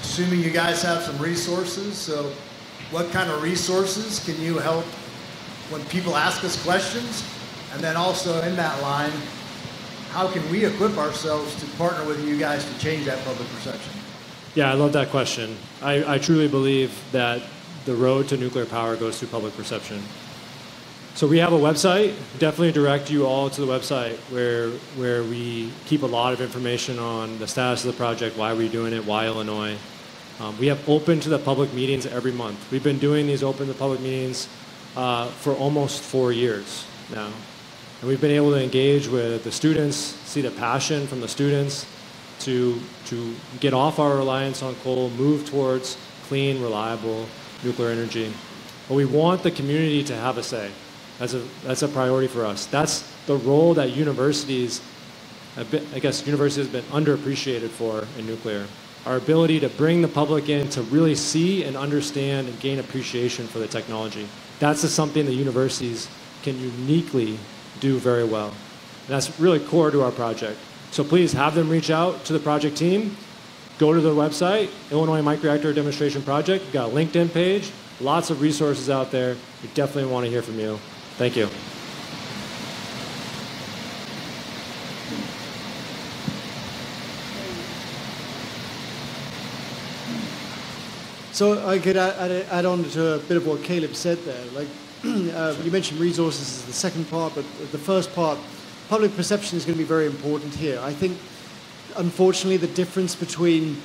assuming you guys have some resources. What kind of resources can you help when people ask us questions? Also, in that line, how can we equip ourselves to partner with you guys to change that public perception? Yeah, I love that question. I truly believe that the road to nuclear power goes through public perception. We have a website. Definitely direct you all to the website where we keep a lot of information on the status of the project, why we're doing it, why Illinois. We have open-to-the-public meetings every month. We've been doing these open-to-the-public meetings for almost four years now. We've been able to engage with the students, see the passion from the students to get off our reliance on coal, move towards clean, reliable nuclear energy. We want the community to have a say. That's a priority for us. That's the role that universities, I guess, universities have been underappreciated for in nuclear, our ability to bring the public in to really see and understand and gain appreciation for the technology. That's something that universities can uniquely do very well. That's really core to our project. Please have them reach out to the project team. Go to the website, Illinois Microreactor Demonstration Project. We've got a LinkedIn page, lots of resources out there. We definitely want to hear from you. Thank you. I could add on to a bit of what Caleb said there. You mentioned resources as the second part. The first part, public perception, is going to be very important here. I think, unfortunately, the difference between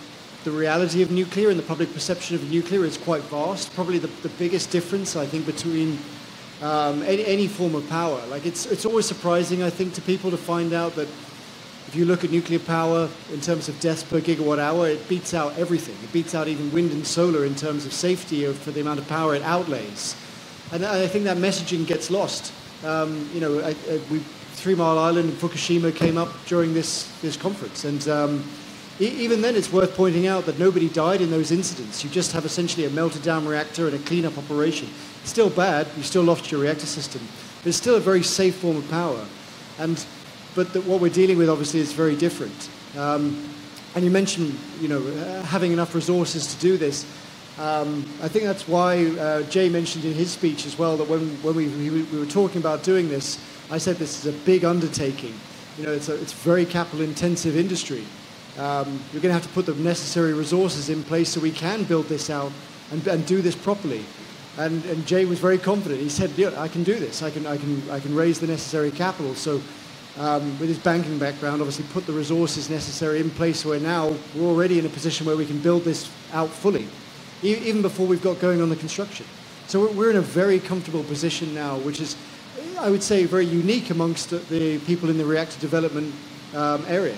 the reality of nuclear and the public perception of nuclear is quite vast, probably the biggest difference, I think, between any form of power. It's always surprising, I think, to people to find out that if you look at nuclear power in terms of deaths per GWh, it beats out everything. It beats out even wind and solar in terms of safety for the amount of power it outlays. I think that messaging gets lost. Three Mile Island and Fukushima came up during this conference. Even then, it's worth pointing out that nobody died in those incidents. You just have essentially a melted-down reactor and a cleanup operation. Still bad. You still lost your reactor system. It's still a very safe form of power. What we're dealing with, obviously, is very different. You mentioned having enough resources to do this. I think that's why Jay mentioned in his speech as well that when we were talking about doing this, I said this is a big undertaking. It's a very capital-intensive industry. We're going to have to put the necessary resources in place so we can build this out and do this properly. Jay was very confident. He said, I can do this. I can raise the necessary capital. With his banking background, obviously, put the resources necessary in place where now we're already in a position where we can build this out fully, even before we've got going on the construction. We're in a very comfortable position now, which is, I would say, very unique amongst the people in the reactor development area.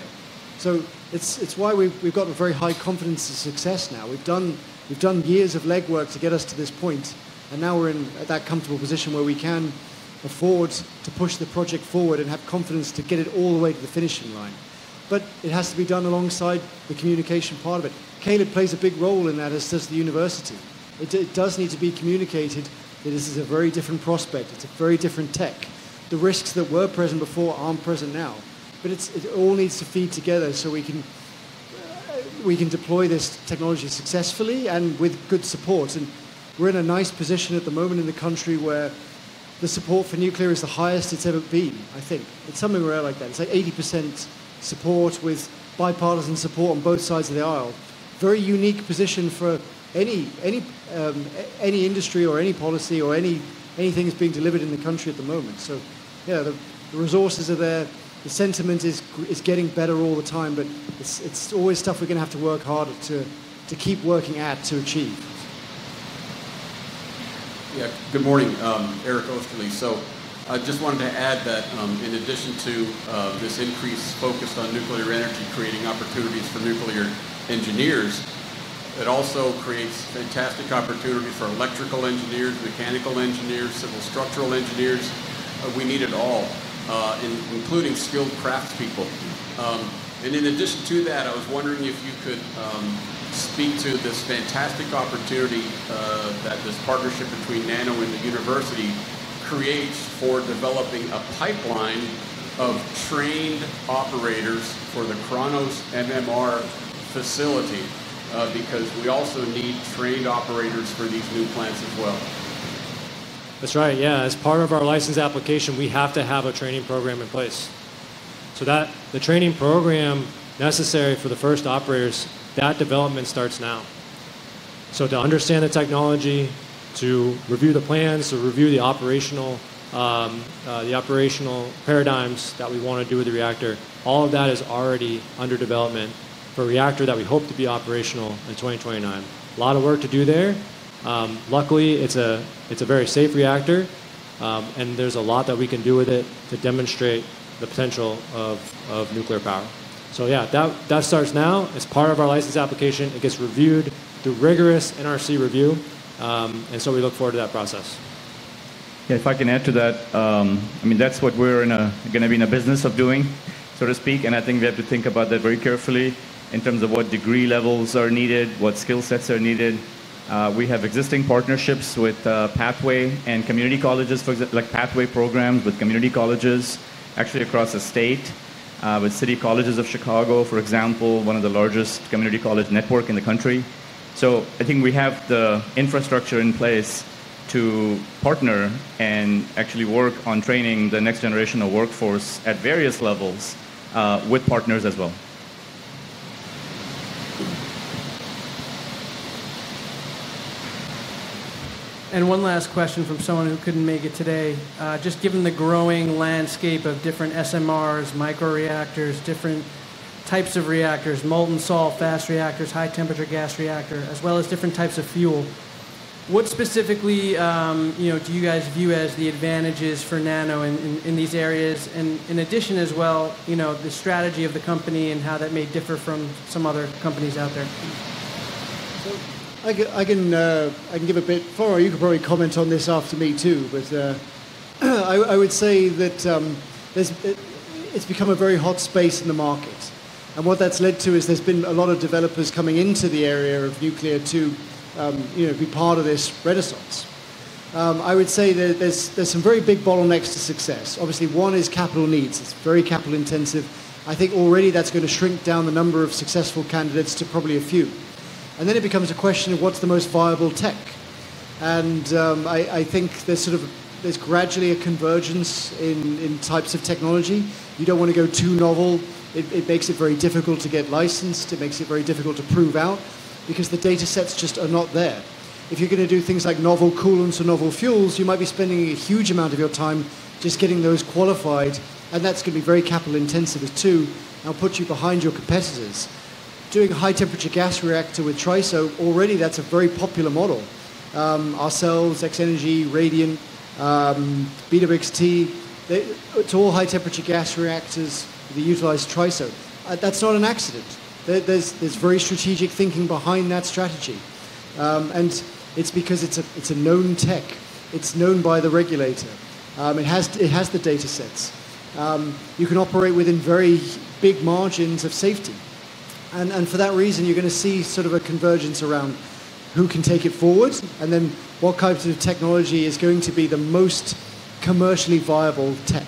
It's why we've got a very high confidence in success now. We've done years of legwork to get us to this point. Now we're in that comfortable position where we can afford to push the project forward and have confidence to get it all the way to the finishing line. It has to be done alongside the communication part of it. Caleb plays a big role in that, as does the university. It does need to be communicated that this is a very different prospect. It's a very different tech. The risks that were present before aren't present now. It all needs to feed together so we can deploy this technology successfully and with good support. We're in a nice position at the moment in the country where the support for nuclear is the highest it's ever been, I think. It's something we're at like that. It's like 80% support with bipartisan support on both sides of the aisle. Very unique position for any industry or any policy or anything that's being delivered in the country at the moment. The resources are there. The sentiment is getting better all the time. It's always stuff we're going to have to work harder to keep working at to achieve. Good morning, Eric Oesterle. I just wanted to add that in addition to this increased focus on nuclear energy creating opportunities for nuclear engineers, it also creates fantastic opportunities for electrical engineers, mechanical engineers, civil structural engineers. We need it all, including skilled craftspeople. In addition to that, I was wondering if you could speak to this fantastic opportunity that this partnership between NANO Nuclear Energy Inc. and the University of Illinois Urbana-Champaign creates for developing a pipeline of trained operators for the KRONOS MMR facility because we also need trained operators for these new plants as well. That's right. Yeah, as part of our license application, we have to have a training program in place. The training program necessary for the first operators, that development starts now. To understand the technology, to review the plans, to review the operational paradigms that we want to do with the reactor, all of that is already under development for a reactor that we hope to be operational in 2029. A lot of work to do there. Luckily, it's a very safe reactor, and there's a lot that we can do with it to demonstrate the potential of nuclear power. That starts now. It's part of our license application. It gets reviewed through rigorous NRC review, and we look forward to that process. Yeah. If I can add to that, I mean, that's what we're going to be in the business of doing, so to speak. I think we have to think about that very carefully in terms of what degree levels are needed, what skill sets are needed. We have existing partnerships with Pathway and community colleges, like Pathway programs with community colleges, actually across the state, with City Colleges of Chicago, for example, one of the largest community college networks in the country. I think we have the infrastructure in place to partner and actually work on training the next generation of workforce at various levels with partners as well. One last question from someone who couldn't make it today. Just given the growing landscape of different SMRs, microreactors, different types of reactors, molten salt fast reactors, high-temperature gas-cooled reactors, as well as different types of fuel, what specifically do you guys view as the advantages for NANO Nuclear Energy Inc. in these areas? In addition, the strategy of the company and how that may differ from some other companies out there. I can give a bit. Florent, you could probably comment on this after me, too. I would say that it's become a very hot space in the market. What that's led to is there's been a lot of developers coming into the area of nuclear to be part of this renaissance. I would say that there's some very big bottlenecks to success. Obviously, one is capital needs. It's very capital-intensive. I think already that's going to shrink down the number of successful candidates to probably a few. It becomes a question of what's the most viable tech. I think there's gradually a convergence in types of technology. You don't want to go too novel. It makes it very difficult to get licensed. It makes it very difficult to prove out because the data sets just are not there. If you're going to do things like novel coolants or novel fuels, you might be spending a huge amount of your time just getting those qualified. That's going to be very capital-intensive, too, and put you behind your competitors. Doing a high-temperature gas-cooled reactor with TRISO, already that's a very popular model. Ourselves, X Energy, Radiant, BWXT, it's all high-temperature gas-cooled reactors that utilize TRISO. That's not an accident. There's very strategic thinking behind that strategy. It's because it's a known tech. It's known by the regulator. It has the data sets. You can operate within very big margins of safety. For that reason, you're going to see sort of a convergence around who can take it forward and then what kinds of technology is going to be the most commercially viable tech.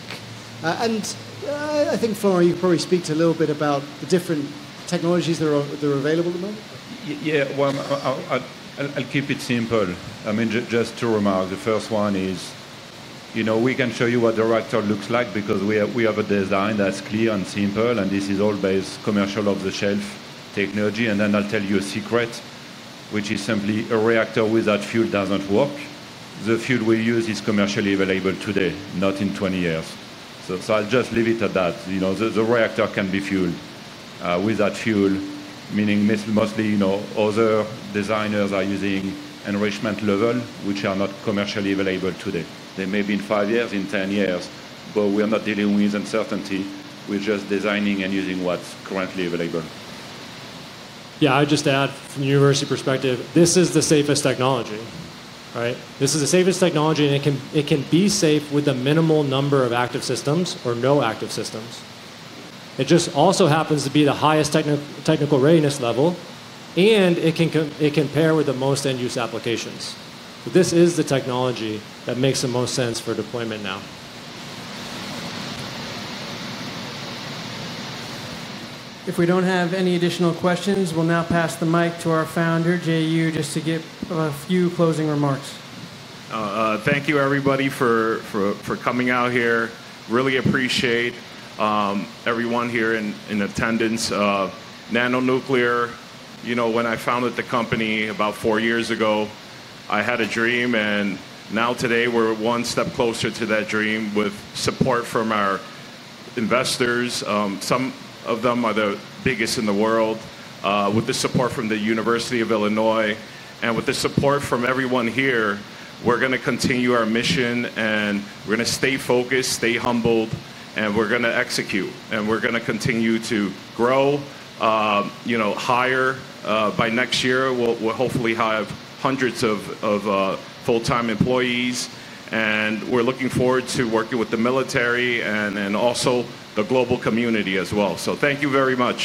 Florent, you could probably speak a little bit about the different technologies that are available at the moment. I'll keep it simple. Just two remarks. The first one is we can show you what the reactor looks like because we have a design that's clear and simple. This is all based on commercial off-the-shelf technology. I'll tell you a secret, which is simply a reactor without fuel doesn't work. The fuel we use is commercially available today, not in 20 years. I'll just leave it at that. The reactor can be fueled without fuel, meaning mostly other designers are using enrichment level, which are not commercially available today. They may be in five years, in 10 years. We are not dealing with uncertainty. We're just designing and using what's currently available. I'd just add from the university perspective, this is the safest technology, right? This is the safest technology. It can be safe with a minimal number of active systems or no active systems. It just also happens to be the highest Technology Readiness Level, and it can pair with the most end-use applications. This is the technology that makes the most sense for deployment now. If we don't have any additional questions, we'll now pass the mic to our Founder, Jay Yu, just to give a few closing remarks. Thank you, everybody, for coming out here. Really appreciate everyone here in attendance. NANO Nuclear, when I founded the company about four years ago, I had a dream. Now today, we're one step closer to that dream with support from our investors. Some of them are the biggest in the world. With the support from the University of Illinois and with the support from everyone here, we're going to continue our mission. We're going to stay focused, stay humbled, and we're going to execute. We're going to continue to grow. Higher by next year, we'll hopefully have hundreds of full-time employees. We're looking forward to working with the military and also the global community as well. Thank you very much.